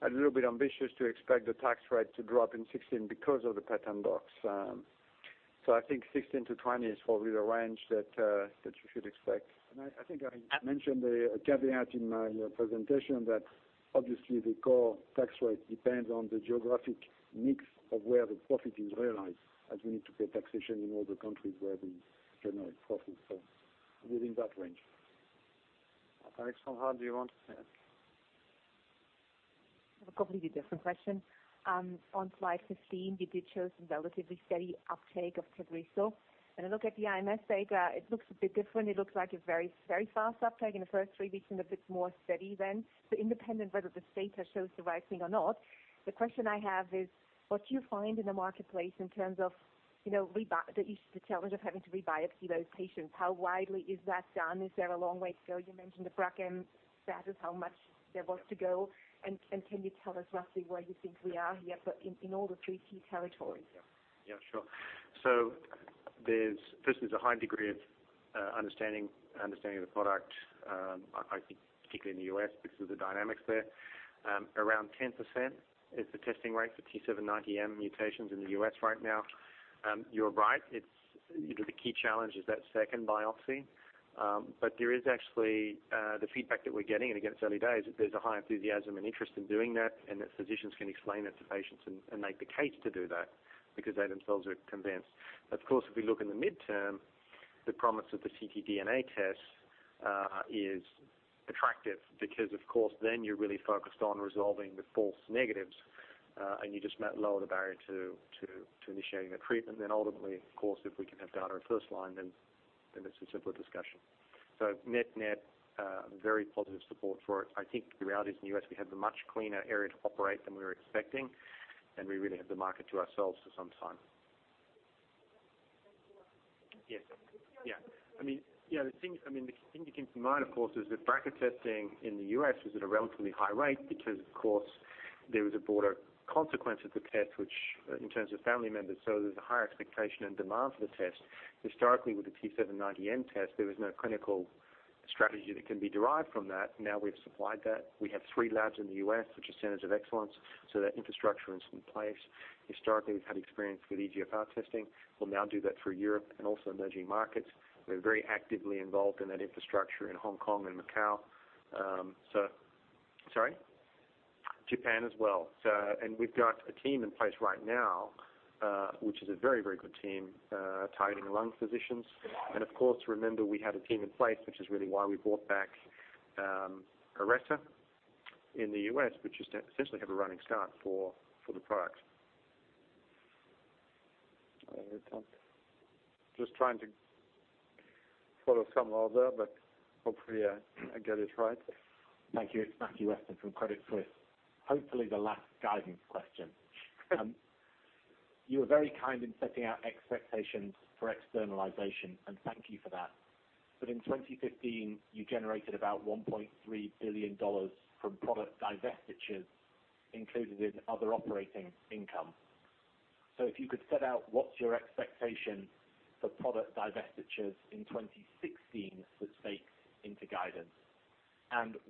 probably a little bit ambitious to expect the tax rate to drop in 2016 because of the patent box. I think 16%-20% is probably the range that you should expect. I think I mentioned a caveat in my presentation that obviously the core tax rate depends on the geographic mix of where the profit is realized, as we need to pay taxation in all the countries where we generate profit. Within that range. Alex, from, do you want to- A completely different question. On slide 15, you did show some relatively steady uptake of TAGRISSO. When I look at the IMS data, it looks a bit different. It looks like a very fast uptake in the first three weeks and a bit more steady then. Independent whether this data shows the right thing or not, the question I have is, what do you find in the marketplace in terms of the challenge of having to rebiopsy those patients? How widely is that done? Is there a long way to go? You mentioned the BRCA status, how much there was to go, and can you tell us roughly where you think we are here in all the three key territories? Yeah, sure. First, there's a high degree of understanding the product. I think particularly in the U.S. because of the dynamics there. Around 10% is the testing rate for T790M mutations in the U.S. right now. You're right, the key challenge is that second biopsy. There is actually the feedback that we're getting, and again, it's early days, there's a high enthusiasm and interest in doing that and that physicians can explain it to patients and make the case to do that because they themselves are convinced. Of course, if we look in the midterm, the promise of the ctDNA test is attractive because, of course, then you're really focused on resolving the false negatives, and you just lower the barrier to initiating the treatment. Ultimately, of course, if we can have data at first line, then it's a simpler discussion. Net, very positive support for it. I think the reality is, in the U.S., we have a much cleaner area to operate than we were expecting, and we really have the market to ourselves for some time. Yes. The thing to keep in mind, of course, is that BRCA testing in the U.S. was at a relatively high rate because there was a broader consequence of the test, in terms of family members, so there's a higher expectation and demand for the test. Historically, with the T790M test, there was no clinical strategy that can be derived from that. Now we've supplied that. We have three labs in the U.S., which are centers of excellence, so that infrastructure is in place. Historically, we've had experience with EGFR testing. We'll now do that for Europe and also emerging markets. We're very actively involved in that infrastructure in Hong Kong and Macau. Sorry? Japan as well. We've got a team in place right now, which is a very good team, targeting lung physicians. Of course, remember, we had a team in place, which is really why we bought back Iressa in the U.S., which essentially have a running start for the product. Any more questions? Just trying to follow some order, hopefully, I get it right. Thank you. It's Matthew Weston from Credit Suisse. Hopefully, the last guidance question. You were very kind in setting out expectations for externalization, thank you for that. In 2015, you generated about $1.3 billion from product divestitures included in other operating income. If you could set out what's your expectation for product divestitures in 2016 that feeds into guidance.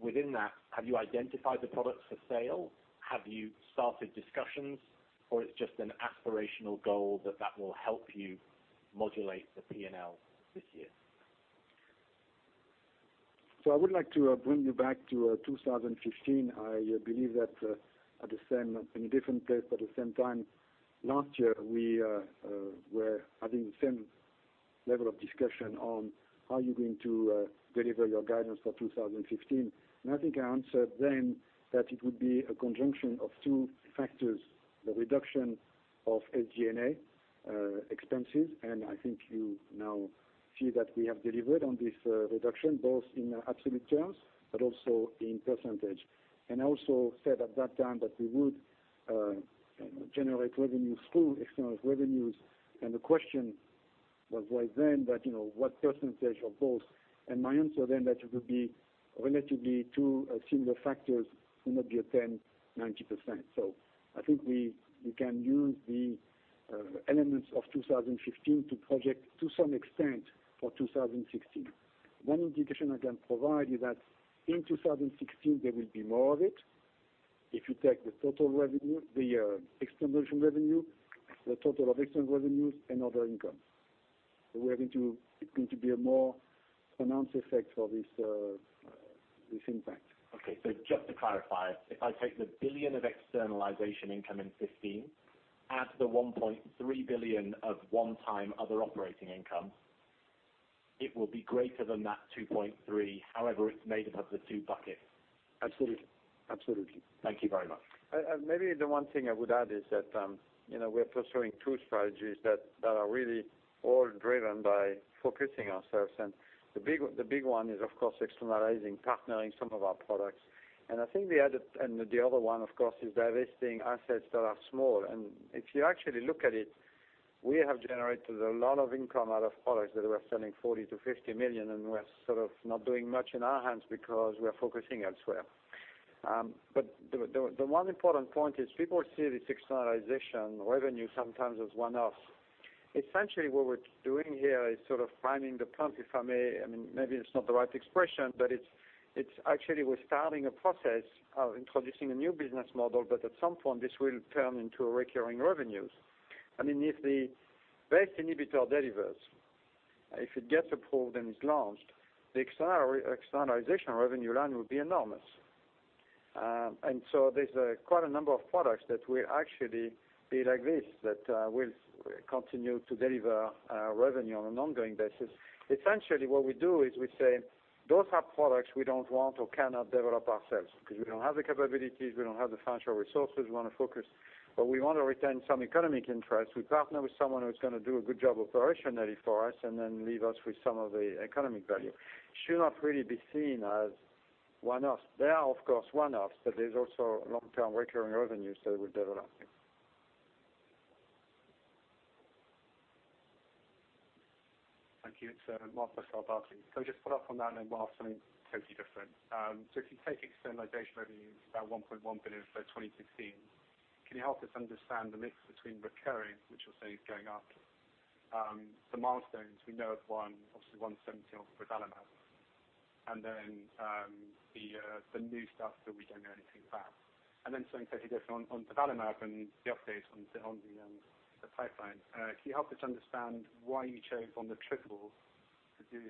Within that, have you identified the products for sale? Have you started discussions, or it's just an aspirational goal that that will help you modulate the P&L this year? I would like to bring you back to 2015. I believe that in a different place but at the same time. Last year, we were having the same level of discussion on how you're going to deliver your guidance for 2015. I think I answered then that it would be a conjunction of two factors, the reduction of SG&A expenses. I think you now see that we have delivered on this reduction, both in absolute terms but also in percentage. I also said at that time that we would generate revenues through external revenues, and the question was raised then that, what percentage of both? My answer then that it would be relatively two similar factors, it may be a 10, 90%. I think we can use the elements of 2015 to project, to some extent, for 2016. One indication I can provide is that in 2016, there will be more of it. If you take the external revenue, the total of external revenues and other income. It's going to be a more pronounced effect for this impact. Okay, just to clarify, if I take the $1 billion of externalization income in 2015, add the $1.3 billion of one-time other operating income, it will be greater than that $2.3 billion, however, it's made up of the two buckets. Absolutely. Thank you very much. Maybe the one thing I would add is that we're pursuing two strategies that are really all driven by focusing ourselves. The big one is, of course, externalizing, partnering some of our products. I think the other one, of course, is divesting assets that are small. If you actually look at it, we have generated a lot of income out of products that were selling $40 million-$50 million, and we're sort of not doing much in our hands because we're focusing elsewhere. The one important point is people see this externalization revenue sometimes as one-off. Essentially, what we're doing here is sort of priming the pump, if I may. Maybe it's not the right expression, but it's actually we're starting a process of introducing a new business model, at some point, this will turn into recurring revenues. If the BRAF inhibitor delivers, if it gets approved and is launched, the externalization revenue line will be enormous. There's quite a number of products that will actually be like this, that will continue to deliver revenue on an ongoing basis. Essentially, what we do is we say, those are products we don't want or cannot develop ourselves because we don't have the capabilities, we don't have the financial resources. We want to focus. We want to retain some economic interest. We partner with someone who's going to do a good job operationally for us and then leave us with some of the economic value. They should not really be seen as one-offs. They are, of course, one-offs, there's also long-term recurring revenues that we're developing. Thank you. It's Mark Purcell, Barclays. Can we just follow up on that and then Mark something totally different? If you take externalization revenues, about $1.1 billion for 2016, can you help us understand the mix between recurring, which you'll say is going up, the milestones we know of one, obviously $117 of durvalumab, and then the new stuff that we don't know anything about? Something totally different on durvalumab and the updates on the pipeline. Can you help us understand why you chose on the triple to do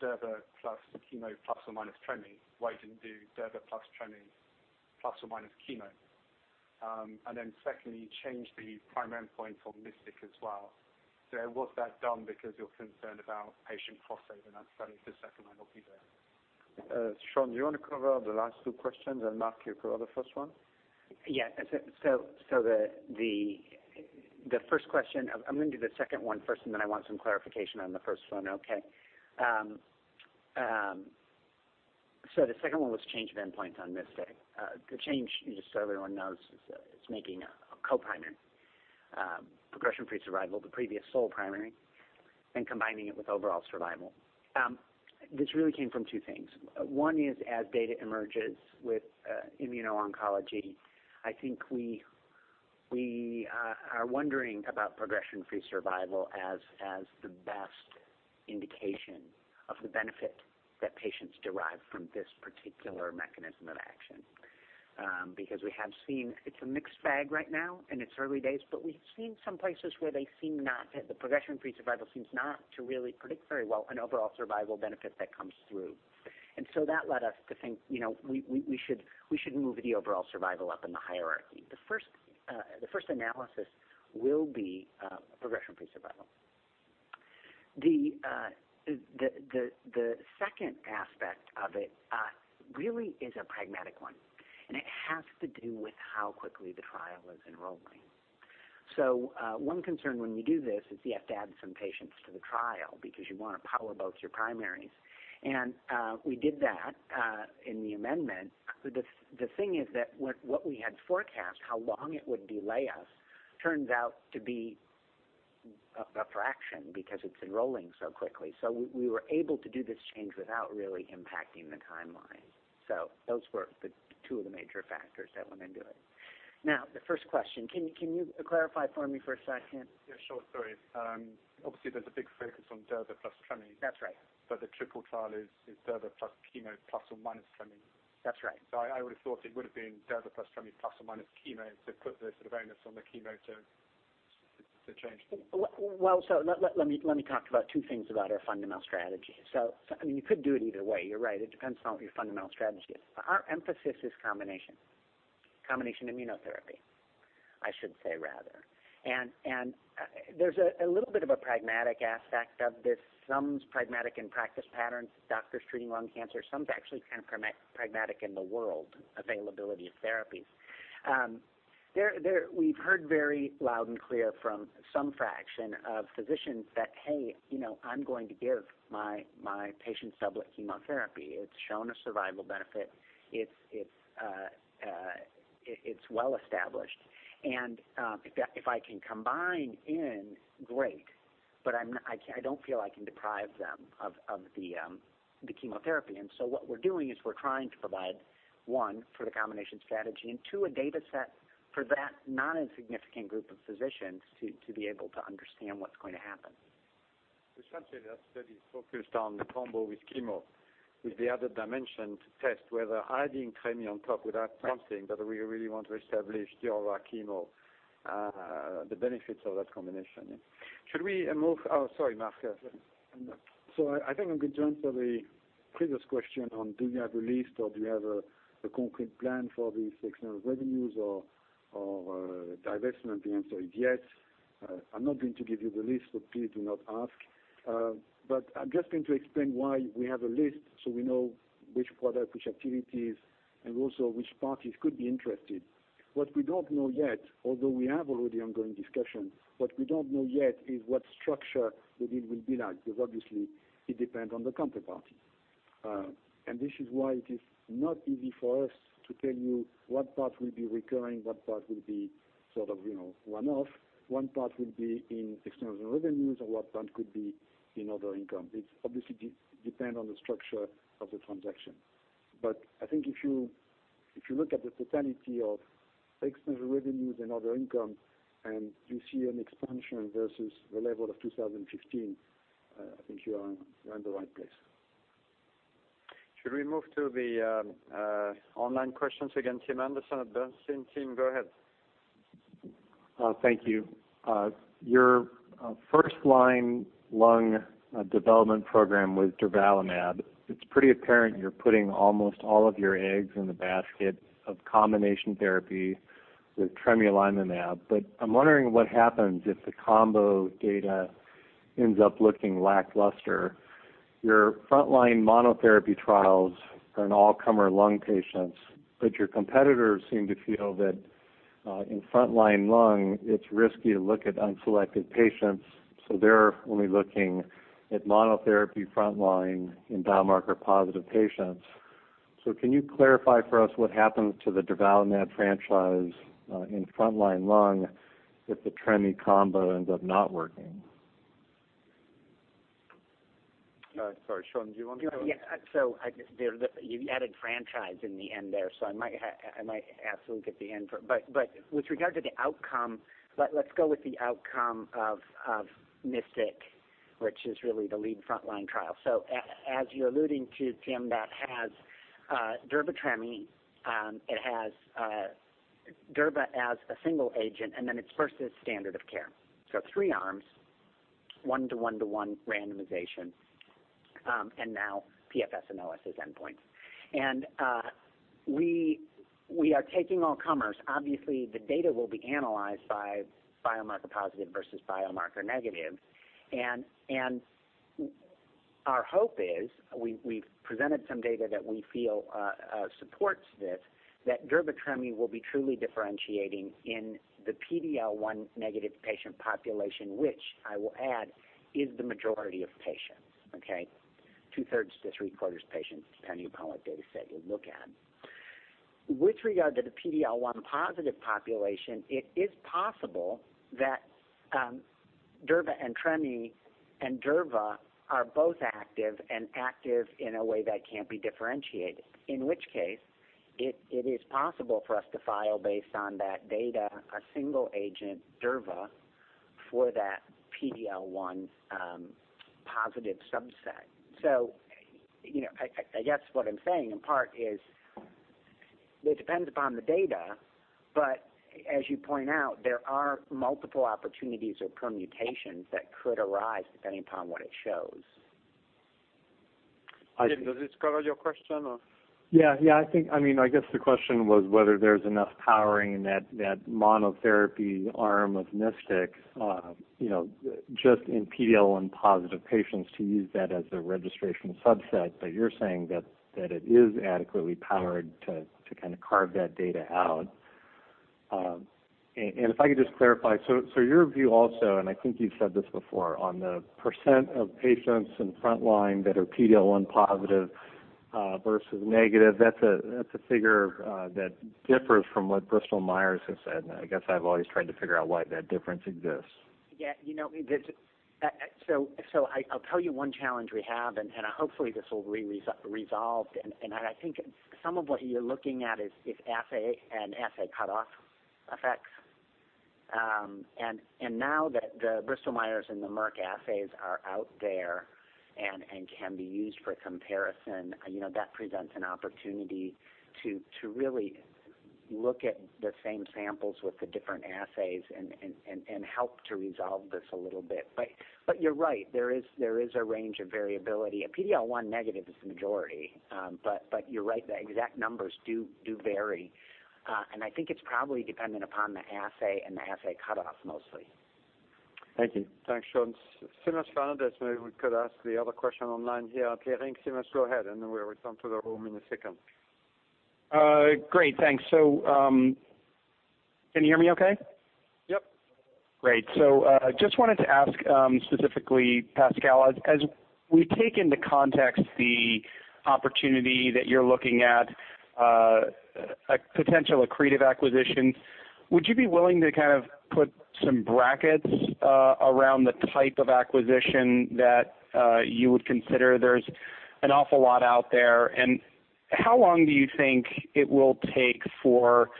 durva plus chemo plus or minus tremie, why you didn't do durva plus tremie plus or minus chemo? Secondly, you changed the primary endpoint for MYSTIC as well. Was that done because you're concerned about patient crossover and that study for second-line or be there? Sean, do you want to cover the last two questions, and Mark, you cover the first one? Yeah. The first question, I'm going to do the second one first, and then I want some clarification on the first one, okay? The second one was change of endpoint on MYSTIC. The change, just so everyone knows, is making a co-primary progression-free survival, the previous sole primary, and combining it with overall survival. This really came from two things. One is as data emerges with immuno-oncology, I think we are wondering about progression-free survival as the best indication of the benefit that patients derive from this particular mechanism of action. Because we have seen it's a mixed bag right now, in its early days, but we've seen some places where the progression-free survival seems not to really predict very well an overall survival benefit that comes through. That led us to think we should move the overall survival up in the hierarchy. The first analysis will be progression-free survival. The second aspect of it really is a pragmatic one, and it has to do with how quickly the trial is enrolling. One concern when you do this is you have to add some patients to the trial because you want to power both your primaries. We did that in the amendment. The thing is that what we had forecast, how long it would delay us, turns out to be a fraction because it's enrolling so quickly. We were able to do this change without really impacting the timeline. Those were the two of the major factors that went into it. Now, the first question. Can you clarify for me for a second? Yeah, sure. Sorry. Obviously, there's a big focus on durvalumab plus tremelimumab. That's right. The triple trial is durvalumab plus chemo plus or minus tremelimumab. That's right. I would have thought it would have been durvalumab plus tremelimumab ± chemo to put the sort of onus on the chemo to change. Let me talk about two things about our fundamental strategy. You could do it either way, you're right. It depends on what your fundamental strategy is. Our emphasis is combination. Combination immunotherapy, I should say rather. There's a little bit of a pragmatic aspect of this, some pragmatic in practice patterns, doctors treating lung cancer, some is actually kind of pragmatic in the world, availability of therapies. We've heard very loud and clear from some fraction of physicians that, "Hey, I'm going to give my patients doublet chemotherapy. It's shown a survival benefit. It's well-established. If I can combine in, great. I don't feel I can deprive them of the chemotherapy." What we're doing is we're trying to provide, one, for the combination strategy, and two, a data set for that not insignificant group of physicians to be able to understand what's going to happen. We should say that study's focused on the combo with chemo with the other dimension to test whether adding tremie on top would add something, but we really want to establish the other chemo, the benefits of that combination. Should we move— oh, sorry, Marc. I think I'm going to answer the previous question on do we have a list or do we have a concrete plan for these external revenues or divestment? The answer is yes. I'm not going to give you the list, so please do not ask. I'm just going to explain why we have a list so we know which product, which activities, and also which parties could be interested. What we don't know yet, although we have already ongoing discussions, what we don't know yet is what structure the deal will be like, because obviously it depends on the counterparty. This is why it is not easy for us to tell you what part will be recurring, what part will be sort of one-off, one part will be in external revenues, or what part could be in other income. It obviously depends on the structure of the transaction. I think if you look at the totality of external revenues and other income, and you see an expansion versus the level of 2015, I think you are in the right place. Should we move to the online questions again? Tim Anderson at Bernstein. Tim, go ahead. Thank you. Your first-line lung development program with durvalumab, it's pretty apparent you're putting almost all of your eggs in the basket of combination therapy with tremelimumab. I'm wondering what happens if the combo data ends up looking lackluster. Your frontline monotherapy trials are an all-comer lung patients, but your competitors seem to feel that in frontline lung, it's risky to look at unselected patients, so they're only looking at monotherapy frontline in biomarker-positive patients. Can you clarify for us what happened to the durvalumab franchise in frontline lung if the tremie combo ends up not working? Sorry, Sean, do you want me to- You added franchise in the end there, so I might ask Luke at the end for With regard to the outcome, let's go with the outcome of MYSTIC, which is really the lead frontline trial. As you're alluding to, Tim, that has durva tremie, it has durva as a single agent, and then it's versus standard of care. Three arms, one-to-one-to-one randomization, and now PFS and OS's endpoint. We are taking all comers. Obviously, the data will be analyzed by biomarker positive versus biomarker negative. Our hope is, we've presented some data that we feel supports this, that durva tremie will be truly differentiating in the PD-L1 negative patient population, which I will add is the majority of patients. Okay? Two-thirds to three-quarters patients, depending upon what data set you look at. With regard to the PD-L1 positive population, it is possible that durva and tremie and durva are both active and active in a way that can't be differentiated. In which case, it is possible for us to file based on that data, a single agent durva for that PD-L1 positive subset. I guess what I'm saying in part is it depends upon the data, as you point out, there are multiple opportunities or permutations that could arise depending upon what it shows. Jim, does this cover your question or? I guess the question was whether there's enough powering that monotherapy arm of MYSTIC, just in PD-L1 positive patients to use that as a registration subset. You're saying that it is adequately powered to kind of carve that data out. If I could just clarify, your view also, I think you've said this before, on the percent of patients in frontline that are PD-L1 positive versus negative, that's a figure that differs from what Bristol Myers has said, I guess I've always tried to figure out why that difference exists. Yeah. I'll tell you one challenge we have, and hopefully this will be resolved. I think some of what you're looking at is assay and assay cutoff effects. Now that the Bristol Myers and the Merck assays are out there and can be used for comparison, that presents an opportunity to really look at the same samples with the different assays and help to resolve this a little bit. You're right, there is a range of variability. A PD-L1 negative is the majority, but you're right, the exact numbers do vary. I think it's probably dependent upon the assay and the assay cutoff mostly. Thank you. Thanks, Sean. Seamus Fernandez, maybe we could ask the other question online here. Okay, thanks, Seamus, go ahead, and then we will come to the room in a second. Great. Thanks. Can you hear me okay? Yep. Great. Just wanted to ask, specifically Pascal, as we take into context the opportunity that you're looking at, potential accretive acquisition, would you be willing to kind of put some brackets around the type of acquisition that you would consider? There's an awful lot out there. How long do you think it will take for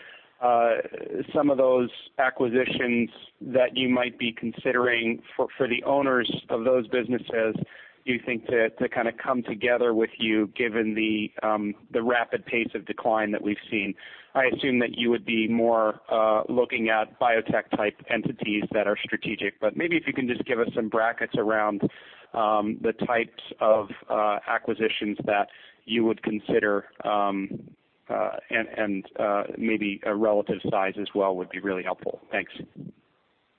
some of those acquisitions that you might be considering for the owners of those businesses, do you think to kind of come together with you given the rapid pace of decline that we've seen? I assume that you would be more looking at biotech-type entities that are strategic. Maybe if you can just give us some brackets around the types of acquisitions that you would consider, and maybe a relative size as well would be really helpful.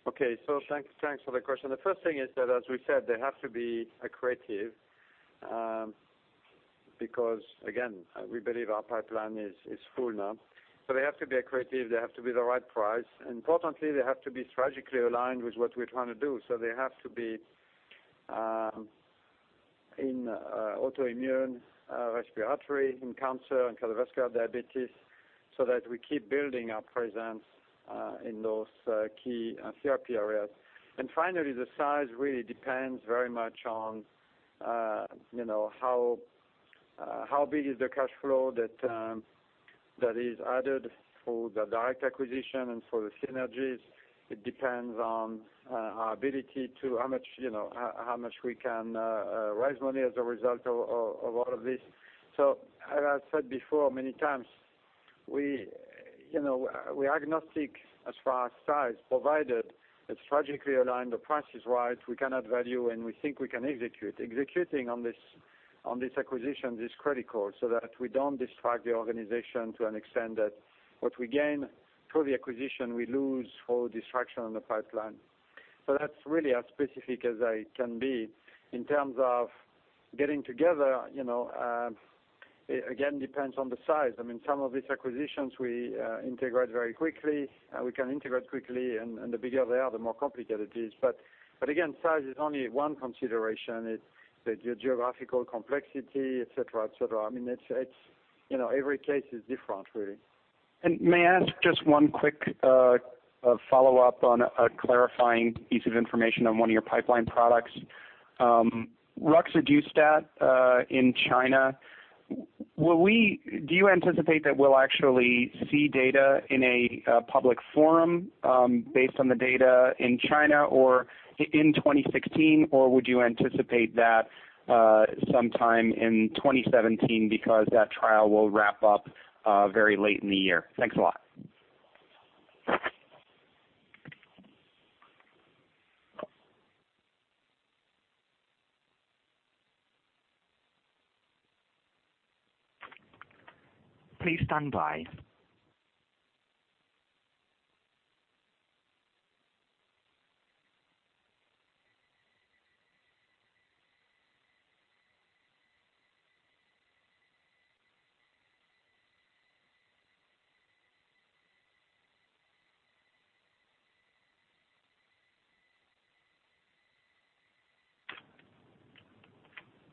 Thanks. Okay. Thanks for the question. The first thing is that, as we said, they have to be accretive, because again, we believe our pipeline is full now. They have to be accretive, they have to be the right price. Importantly, they have to be strategically aligned with what we're trying to do. They have to be in autoimmune, respiratory, in cancer, in cardiovascular, diabetes, so that we keep building our presence in those key therapy areas. Finally, the size really depends very much on how big is the cash flow that is added for the direct acquisition and for the synergies. It depends on our ability to how much we can raise money as a result of all of this. As I said before many times, we are agnostic as far as size provided it's strategically aligned, the price is right, we can add value, and we think we can execute. Executing on this acquisition, this critical, so that we don't distract the organization to an extent that what we gain through the acquisition, we lose through distraction on the pipeline. That's really as specific as I can be. In terms of getting together, it again, depends on the size. Some of these acquisitions, we integrate very quickly, we can integrate quickly, and the bigger they are, the more complicated it is. Again, size is only one consideration. It's the geographical complexity, et cetera. Every case is different, really. May I ask just one quick follow-up on a clarifying piece of information on one of your pipeline products, roxadustat in China. Do you anticipate that we'll actually see data in a public forum based on the data in China or in 2016, or would you anticipate that sometime in 2017 because that trial will wrap up very late in the year? Thanks a lot. Please stand by.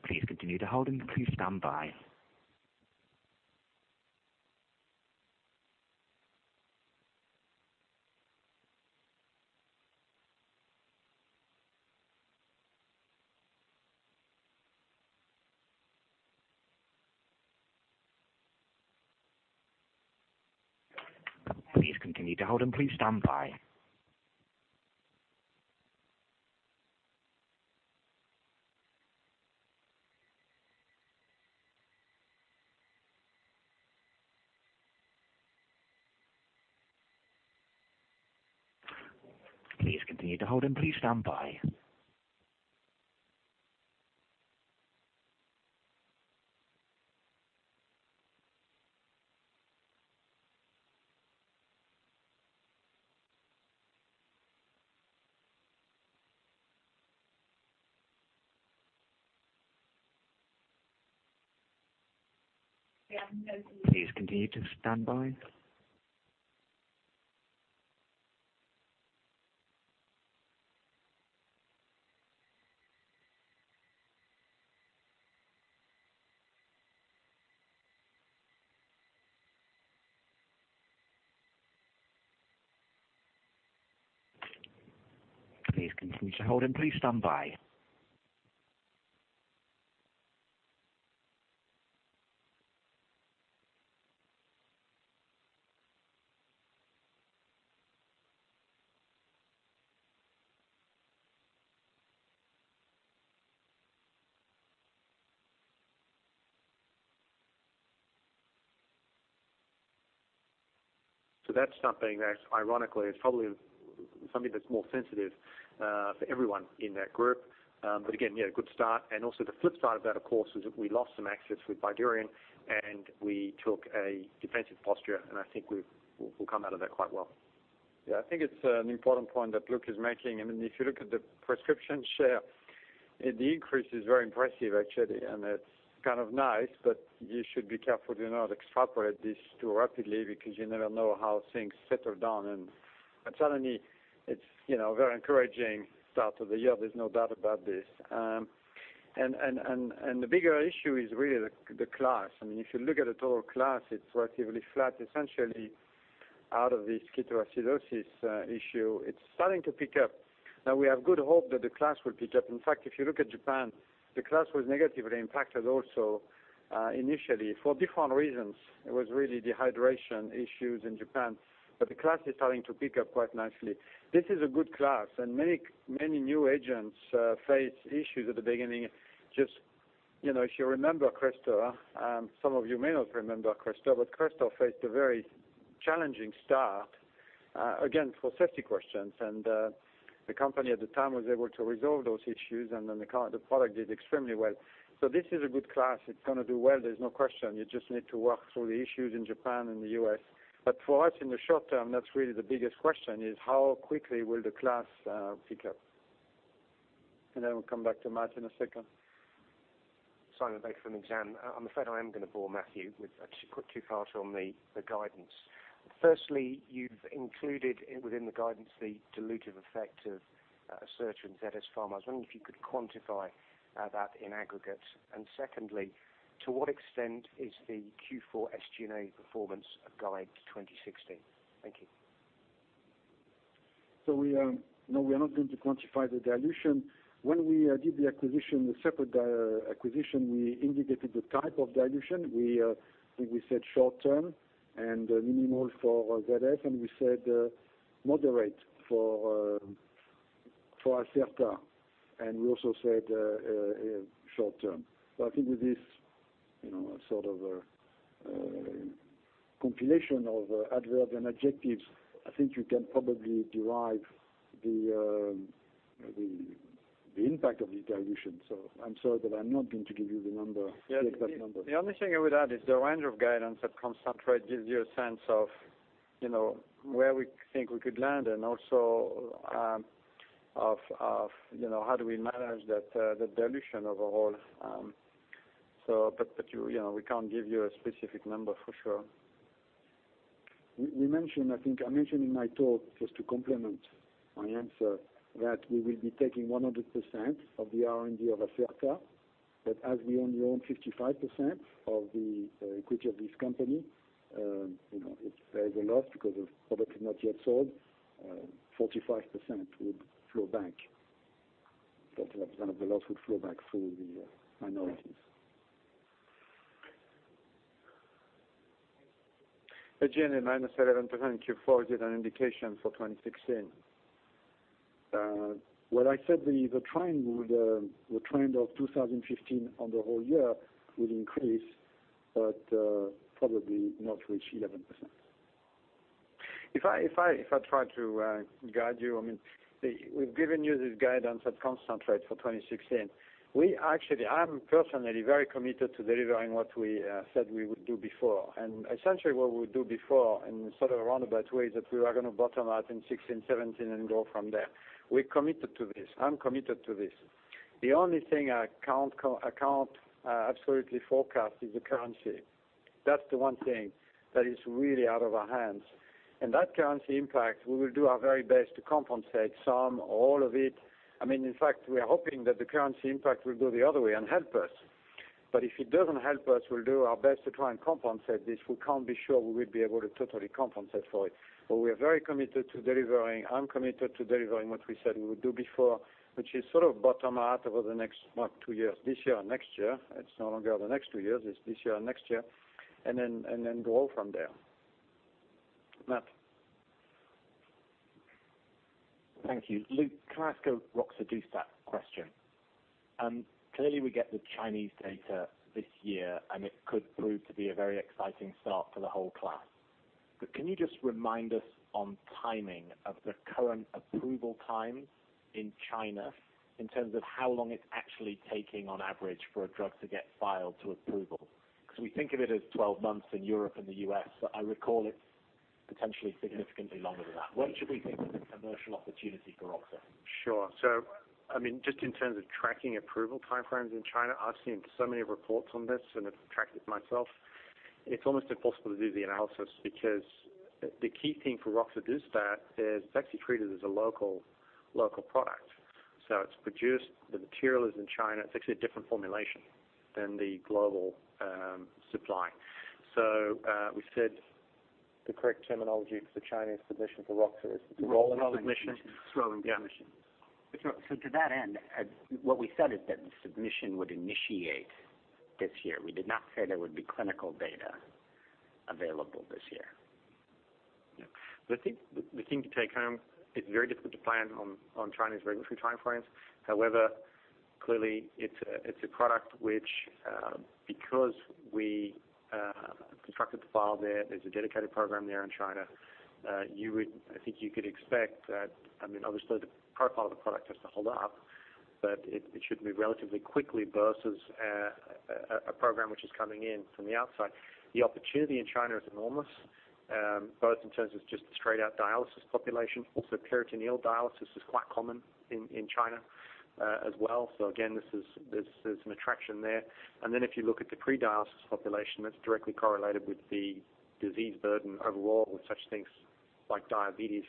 Please continue to hold and please stand by. Please continue to hold and please stand by. Please continue to hold and please stand by. We have no- Please continue to stand by. Please continue to hold and please stand by. That's something that ironically is probably something that's more sensitive for everyone in that group. Again, yeah, a good start. Also the flip side of that, of course, is that we lost some access with BYDUREON, and we took a defensive posture, and I think we'll come out of that quite well. Yeah, I think it's an important point that Luke is making. If you look at the prescription share, the increase is very impressive, actually, it's kind of nice, but you should be careful to not extrapolate this too rapidly because you never know how things settle down. Certainly, it's very encouraging start of the year, there's no doubt about this. The bigger issue is really the class. If you look at the total class, it's relatively flat, essentially, out of this ketoacidosis issue. It's starting to pick up. Now we have good hope that the class will pick up. In fact, if you look at Japan, the class was negatively impacted also initially for different reasons. It was really dehydration issues in Japan. The class is starting to pick up quite nicely. This is a good class, and many new agents face issues at the beginning. Just if you remember Crestor, some of you may not remember Crestor, but Crestor faced a very challenging start, again, for safety questions. The company at the time was able to resolve those issues, and then the product did extremely well. This is a good class. It's going to do well. There's no question. You just need to work through the issues in Japan and the U.S. For us in the short term, that's really the biggest question is how quickly will the class pick up? Then we'll come back to Matt in a second. Simon, [inaudible] exam. I'm afraid I am going to bore Matthew with a quick two parts on the guidance. Firstly, you've included within the guidance the dilutive effect of Acerta and ZS Pharma. I was wondering if you could quantify that in aggregate. Secondly, to what extent is the Q4 SG&A performance a guide to 2016? Thank you. We are not going to quantify the dilution. When we did the acquisition, the separate acquisition, we indicated the type of dilution. I think we said short-term and minimal for ZS, and we said moderate for Acerta, and we also said short-term. I think with this sort of a compilation of adverbs and adjectives. I think you can probably derive the impact of the dilution. I'm sorry that I'm not going to give you the exact number. The only thing I would add is the range of guidance at constant rate gives you a sense of where we think we could land and also of how do we manage that dilution overall. We can't give you a specific number for sure. I think I mentioned in my talk, just to complement my answer, that we will be taking 100% of the R&D of Acerta, but as we only own 55% of the equity of this company, there is a loss because the product is not yet sold, 45% would flow back. 45% of the loss would flow back through the minorities. At SG&A, minus 11% Q4 gave an indication for 2016. What I said, the trend of 2015 on the whole year would increase, but probably not reach 11%. If I try to guide you, we've given you this guidance at constant rate for 2016. I'm personally very committed to delivering what we said we would do before. Essentially what we would do before, in sort of a roundabout way, is that we were going to bottom out in 2016, 2017, and grow from there. We're committed to this. I'm committed to this. The only thing I can't absolutely forecast is the currency. That's the one thing that is really out of our hands. That currency impact, we will do our very best to compensate some or all of it. In fact, we are hoping that the currency impact will go the other way and help us. If it doesn't help us, we'll do our best to try and compensate this. We can't be sure we will be able to totally compensate for it. We are very committed to delivering, I'm committed to delivering what we said we would do before, which is sort of bottom out over the next, not two years, this year or next year. It's no longer the next two years, it's this year or next year, and then grow from there. Matt? Thank you. Luke, can I ask a roxadustat question? Clearly, we get the Chinese data this year, and it could prove to be a very exciting start for the whole class. Can you just remind us on timing of the current approval time in China in terms of how long it's actually taking, on average, for a drug to get filed to approval? Because we think of it as 12 months in Europe and the U.S., I recall it's potentially significantly longer than that. When should we think of the commercial opportunity for roxa? Sure. Just in terms of tracking approval time frames in China, I've seen so many reports on this and have tracked it myself. It's almost impossible to do the analysis because the key thing for roxadustat is it's actually treated as a local product. It's produced, the material is in China. It's actually a different formulation than the global supply. We said the correct terminology for the Chinese submission for roxa is- Rolling submission. Rolling submission. Yeah. To that end, what we said is that the submission would initiate this year. We did not say there would be clinical data available this year. The thing to take home, it's very difficult to plan on Chinese regulatory time frames. Clearly it's a product which, because we constructed the file there's a dedicated program there in China. I think you could expect that, obviously the profile of the product has to hold up, but it should move relatively quickly versus a program which is coming in from the outside. The opportunity in China is enormous, both in terms of just the straight-out dialysis population, also peritoneal dialysis is quite common in China as well. Again, there's an attraction there. If you look at the pre-dialysis population, that's directly correlated with the disease burden overall with such things like diabetes,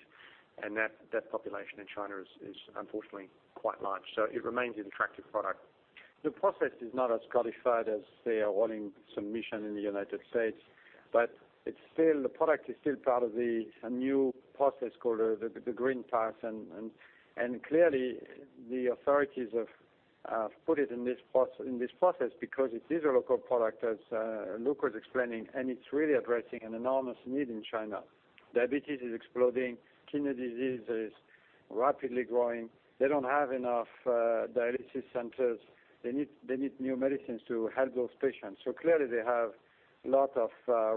and that population in China is unfortunately quite large. It remains an attractive product. The process is not as codified as say a rolling submission in the U.S., but the product is still part of the new process called the Green Path. Clearly the authorities have put it in this process because it is a local product, as Luke was explaining. It's really addressing an enormous need in China. Diabetes is exploding. Kidney disease is rapidly growing. They don't have enough dialysis centers. They need new medicines to help those patients. Clearly they have a lot of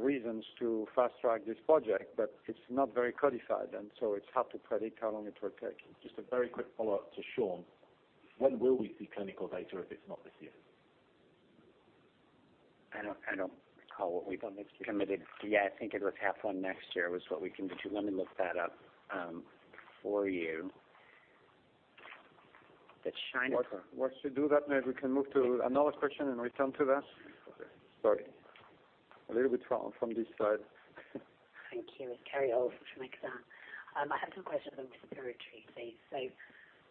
reasons to fast-track this project, but it's not very codified. It's hard to predict how long it will take. Just a very quick follow-up to Sean. When will we see clinical data if it's not this year? I don't recall what we've committed. Yeah, I think it was half one next year was what we committed to. Let me look that up for you. The China- While you do that, maybe we can move to another question and return to that. Okay. Sorry. A little bit from this side. Thank you. It's Simon Baker from Exane. I have some questions on respiratory, please.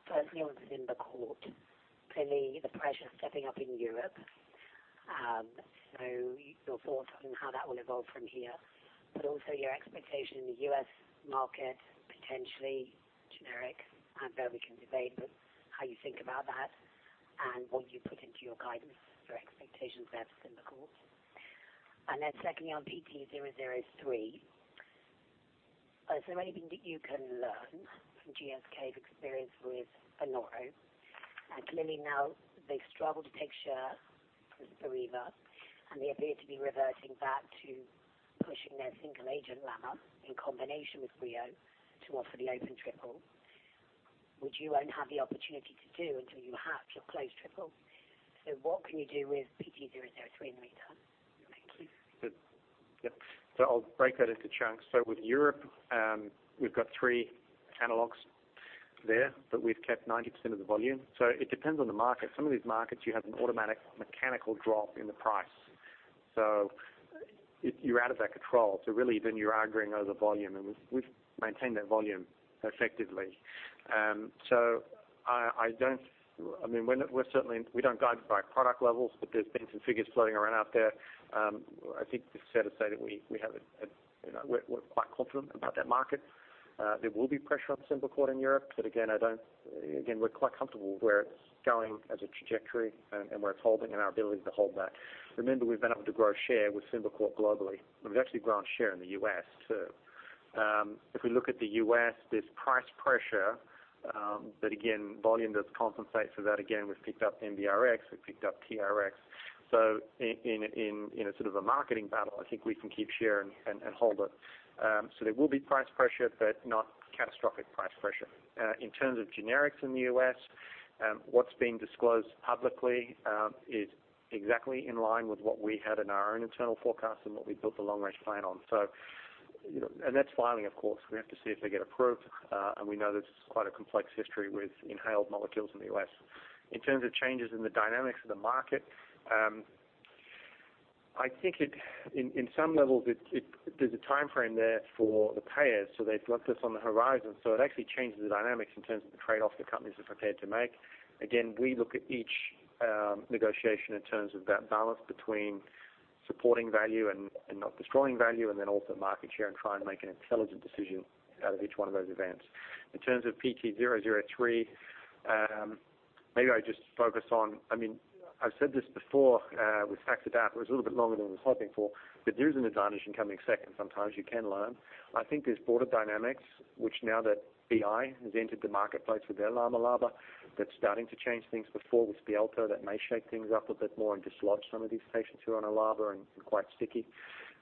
Firstly on SYMBICORT. Clearly the pressure stepping up in Europe, your thoughts on how that will evolve from here, but also your expectation in the U.S. market, potentially generic. I know we can debate, but how you think about that and what you put into your guidance for expectations there for SYMBICORT. Secondly, on PT003 Is there anything that you can learn from GSK's experience with Anoro? Clearly now they've struggled to take share from Spiriva, and they appear to be reverting back to pushing their single agent LAMA in combination with Breo to offer the open triple, which you won't have the opportunity to do until you have your closed triple. What can you do with PT003 in the meantime? Thank you. Good. Yep. I'll break that into chunks. With Europe, we've got three analogs there, but we've kept 90% of the volume. It depends on the market. Some of these markets, you have an automatic mechanical drop in the price. You're out of that control. Really then you're arguing over volume, and we've maintained that volume effectively. We don't guide by product levels, but there's been some figures floating around out there. I think it's fair to say that we're quite confident about that market. There will be pressure on SYMBICORT in Europe. Again, we're quite comfortable where it's going as a trajectory and where it's holding and our ability to hold that. Remember, we've been able to grow share with SYMBICORT globally. We've actually grown share in the U.S. too. If we look at the U.S., there's price pressure. Again, volume does compensate for that. Again, we've picked up MBRX, we've picked up TRX. In a sort of a marketing battle, I think we can keep share and hold it. There will be price pressure, but not catastrophic price pressure. In terms of generics in the U.S., what's been disclosed publicly is exactly in line with what we had in our own internal forecast and what we built the long-range plan on. That's filing, of course. We have to see if they get approved. We know there's quite a complex history with inhaled molecules in the U.S. In terms of changes in the dynamics of the market, I think in some levels, there's a timeframe there for the payers. They've got this on the horizon. It actually changes the dynamics in terms of the trade-offs the companies are prepared to make. Again, we look at each negotiation in terms of that balance between supporting value and not destroying value, and then also market share and try and make an intelligent decision out of each one of those events. In terms of PT003, I've said this before with Saxdapa, it was a little bit longer than I was hoping for, but there is an advantage in coming second. Sometimes you can learn. I think there's broader dynamics, which now that BI has entered the marketplace with their LAMA/LABA, that's starting to change things. Before with Stiolto, that may shake things up a bit more and dislodge some of these patients who are on a LABA and quite sticky.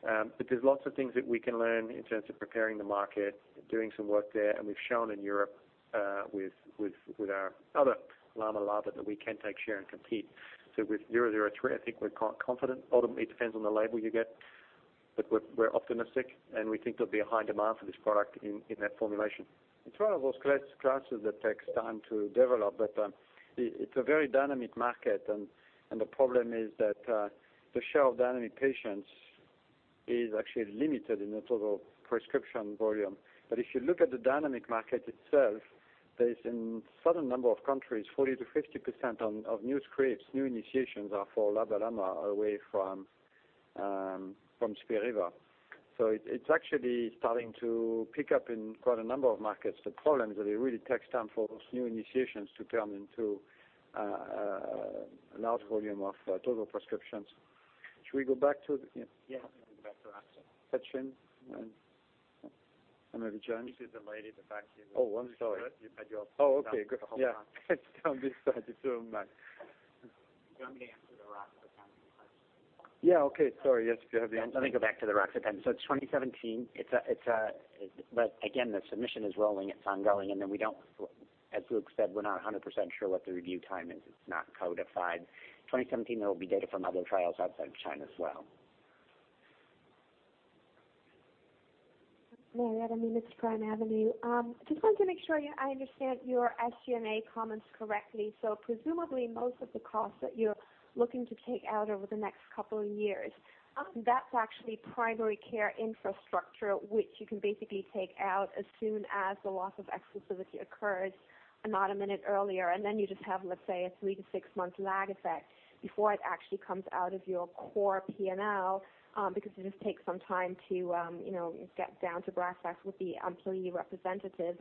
There's lots of things that we can learn in terms of preparing the market, doing some work there. We've shown in Europe with our other LAMA/LABA that we can take share and compete. With 003, I think we're quite confident. Ultimately, it depends on the label you get, but we're optimistic, and we think there'll be a high demand for this product in that formulation. It's one of those classes that takes time to develop, it's a very dynamic market, and the problem is that the share of dynamic patients is actually limited in the total prescription volume. If you look at the dynamic market itself, there is in a certain number of countries, 40%-50% of new scripts, new initiations are for LABA/LAMA away from Spiriva. It's actually starting to pick up in quite a number of markets. The problem is that it really takes time for those new initiations to turn into a large volume of total prescriptions. Yeah. We can go back to Rox. Katrin and maybe John. You did the lady, the vaccine. Oh, I'm sorry. You said you had. Oh, okay. Good. Yeah. I'm sorry. My Do you want me to answer the roxadustat question? Yeah. Okay. Sorry. Yes, if you have the answer. Let me go back to the roxadustat. It's 2017. Again, the submission is rolling. It's ongoing, and as Luke said, we're not 100% sure what the review time is. It's not codified. 2017, there will be data from other trials outside of China as well. I'm Marietta Miemietz, Primavenue. Just wanted to make sure I understand your SG&A comments correctly. Presumably most of the costs that you're looking to take out over the next couple of years, that's actually primary care infrastructure, which you can basically take out as soon as the loss of exclusivity occurs and not a minute earlier. Then you just have, let's say, a three-to-six-month lag effect before it actually comes out of your core P&L because it just takes some time to get down to brass tacks with the employee representative.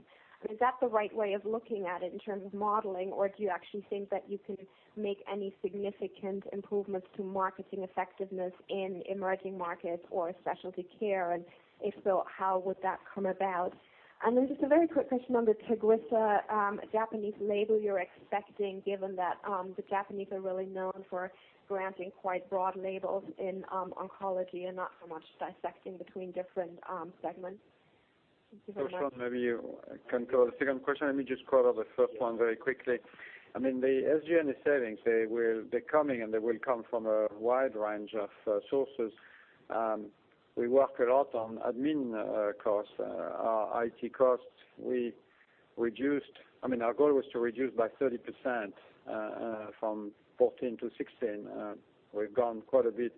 Is that the right way of looking at it in terms of modeling, or do you actually think that you can make any significant improvements to marketing effectiveness in emerging markets or specialty care? If so, how would that come about? Just a very quick question on the TAGRISSO Japanese label you're expecting, given that the Japanese are really known for granting quite broad labels in oncology and not so much dissecting between different segments. Thank you very much. Sean, maybe you can go the second question. Let me just follow the first one very quickly. The SG&A savings, they're coming, and they will come from a wide range of sources. We work a lot on admin costs, our IT costs. Our goal was to reduce by 30% from 2014 to 2016. We've gone quite a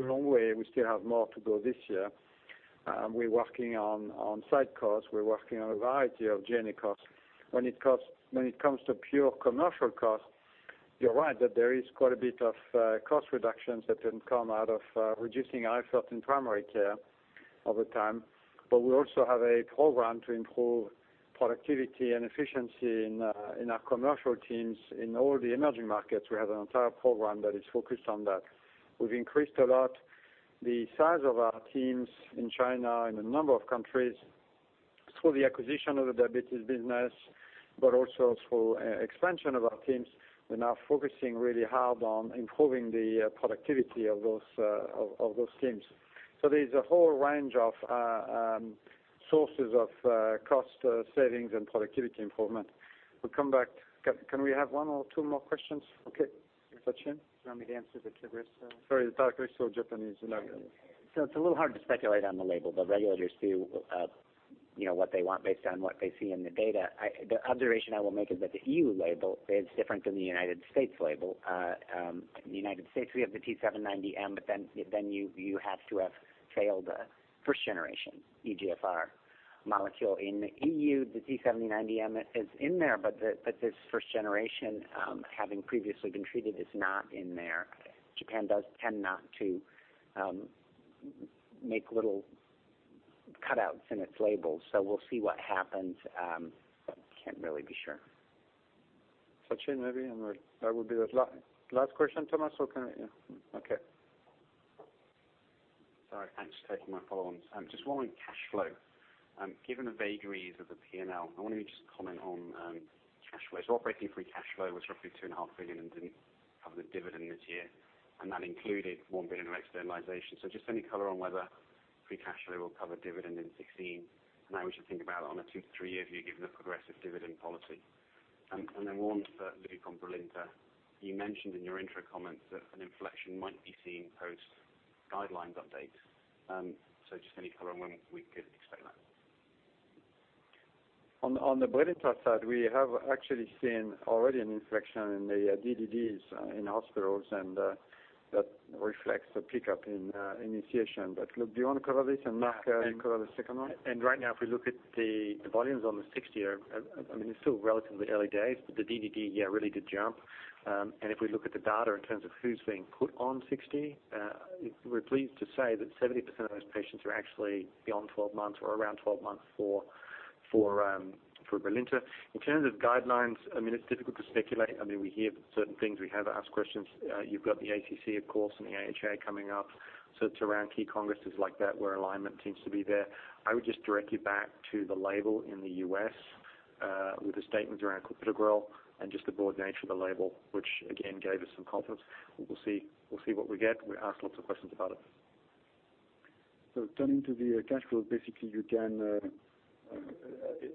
long way. We still have more to go this year. We're working on site costs. We're working on a variety of journey costs. When it comes to pure commercial costs, you're right that there is quite a bit of cost reductions that can come out of reducing our effort in primary care over time. We also have a program to improve productivity and efficiency in our commercial teams in all the emerging markets. We have an entire program that is focused on that. We've increased a lot the size of our teams in China and a number of countries through the acquisition of the diabetes business, but also through expansion of our teams. We're now focusing really hard on improving the productivity of those teams. There's a whole range of sources of cost savings and productivity improvement. We'll come back. Can we have one or two more questions? Okay. Sachin? Do you want me to answer the TAGRISSO? Sorry, the TAGRISSO or Japanese Enbrel. It's a little hard to speculate on the label, but regulators do what they want based on what they see in the data. The observation I will make is that the EU label is different than the United States label. In the United States, we have the T790M, but then you have to have failed first-generation EGFR molecule. In the EU, the T790M is in there, but this first generation having previously been treated is not in there. Japan does tend not to make little cutouts in its label, so we'll see what happens, but can't really be sure. Sachin, maybe that would be the last question. Thomas, can I. Sorry. Thanks for taking my follow on. Just one on cash flow. Given the vagaries of the P&L, I wonder if you just comment on cash flow. Operating free cash flow was roughly $2.5 billion and didn't cover the dividend this year, and that included $1 billion of externalization. Just any color on whether free cash flow will cover dividend in 2016, and how we should think about it on a 2-3-year view given the progressive dividend policy. One for Luke on Brilinta. You mentioned in your intro comments that an inflection might be seen post-guideline updates. Just any color on when we could expect that. On the Brilinta side, we have actually seen already an inflection in the DDDs in hospitals, and that reflects a pickup in initiation. Luke, do you want to cover this, and Mark, you cover the second one? Right now, if we look at the volumes on the 60, it's still relatively early days, but the DDD really did jump. If we look at the data in terms of who's being put on 60, we're pleased to say that 70% of those patients are actually beyond 12 months or around 12 months for Brilinta. In terms of guidelines, it's difficult to speculate. We hear certain things. We have asked questions. You've got the ACC, of course, and the AHA coming up. It's around key congresses like that where alignment seems to be there. I would just direct you back to the label in the U.S. with the statements around clopidogrel and just the broad nature of the label, which again gave us some confidence. We'll see what we get. We asked lots of questions about it. Turning to the cash flow, basically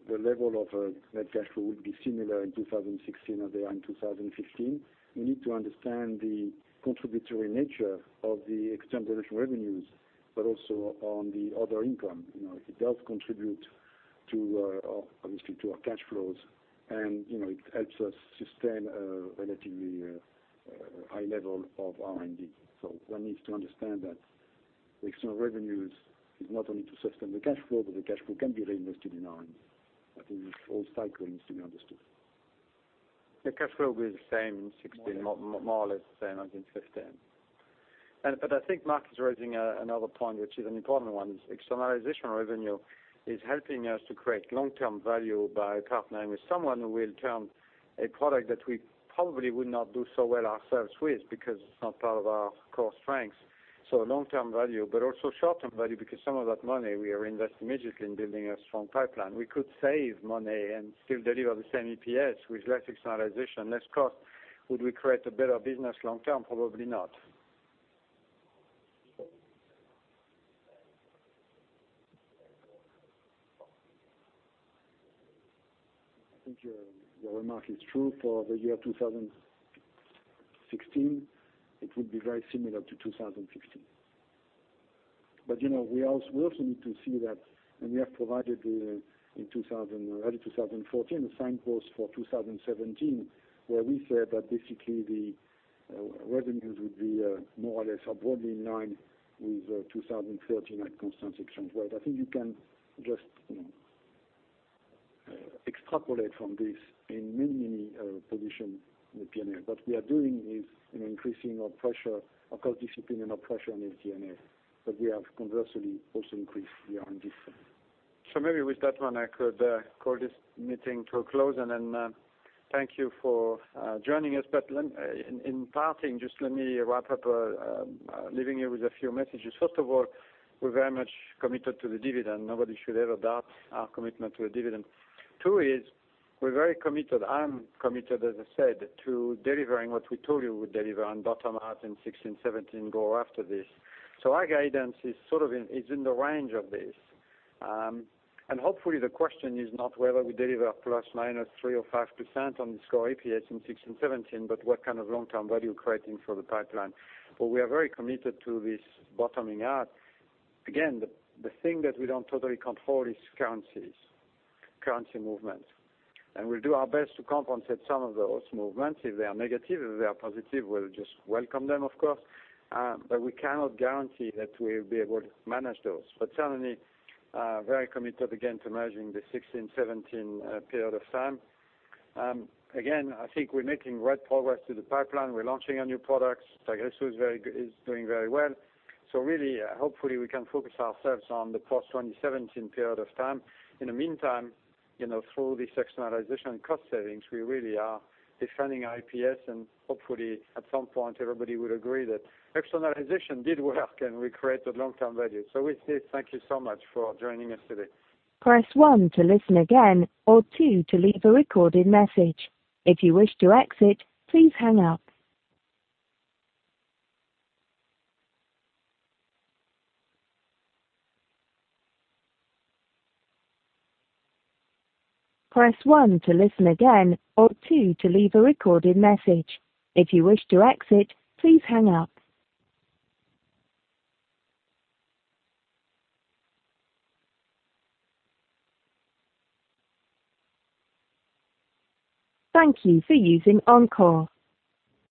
the level of net cash flow would be similar in 2016 as they are in 2015. You need to understand the contributory nature of the externalization revenues, but also on the other income. It does contribute obviously to our cash flows, and it helps us sustain a relatively high level of R&D. One needs to understand that the external revenues is not only to sustain the cash flow, but the cash flow can be reinvested in R&D. I think this whole cycle needs to be understood. The cash flow will be the same in 2016. More or less. More or less the same as in 2015. I think Mark is raising another point, which is an important one, is externalization revenue is helping us to create long-term value by partnering with someone who will turn a product that we probably would not do so well ourselves with because it's not part of our core strengths. Long-term value, but also short-term value because some of that money we are investing immediately in building a strong pipeline. We could save money and still deliver the same EPS with less externalization, less cost. Would we create a better business long term? Probably not. I think your remark is true for the year 2016. It would be very similar to 2015. We also need to see that, and we have provided already 2014, the same post for 2017, where we said that basically the revenues would be more or less are broadly in line with 2013 at constant exchange rate. I think you can just extrapolate from this in many positions in the P&L. What we are doing is increasing our pressure, our cost discipline and our pressure on the P&L. We have conversely also increased the R&D spend. Maybe with that one, I could call this meeting to a close and then thank you for joining us. In parting, just let me wrap up leaving you with a few messages. First of all, we're very much committed to the dividend. Nobody should ever doubt our commitment to a dividend. Two is we're very committed, I'm committed, as I said, to delivering what we told you we'd deliver on bottom half in 2016, 2017, go after this. Our guidance is in the range of this. Hopefully the question is not whether we deliver plus or minus 3% or 5% on this core EPS in 2016, 2017, but what kind of long-term value creating for the pipeline. We are very committed to this bottoming out. Again, the thing that we don't totally control is currencies, currency movement. We'll do our best to compensate some of those movements if they are negative. If they are positive, we'll just welcome them, of course, we cannot guarantee that we'll be able to manage those. Certainly, very committed again to managing the 2016, 2017 period of time. Again, I think we're making great progress through the pipeline. We're launching our new products. TAGRISSO is doing very well. Really, hopefully we can focus ourselves on the post-2017 period of time. In the meantime, through this externalization and cost savings, we really are defending our EPS and hopefully at some point everybody would agree that externalization did work and we created long-term value. With this, thank you so much for joining us today. Press one to listen again, or two to leave a recorded message. If you wish to exit, please hang up. Press one to listen again, or two to leave a recorded message. If you wish to exit, please hang up. Thank you for using Encore.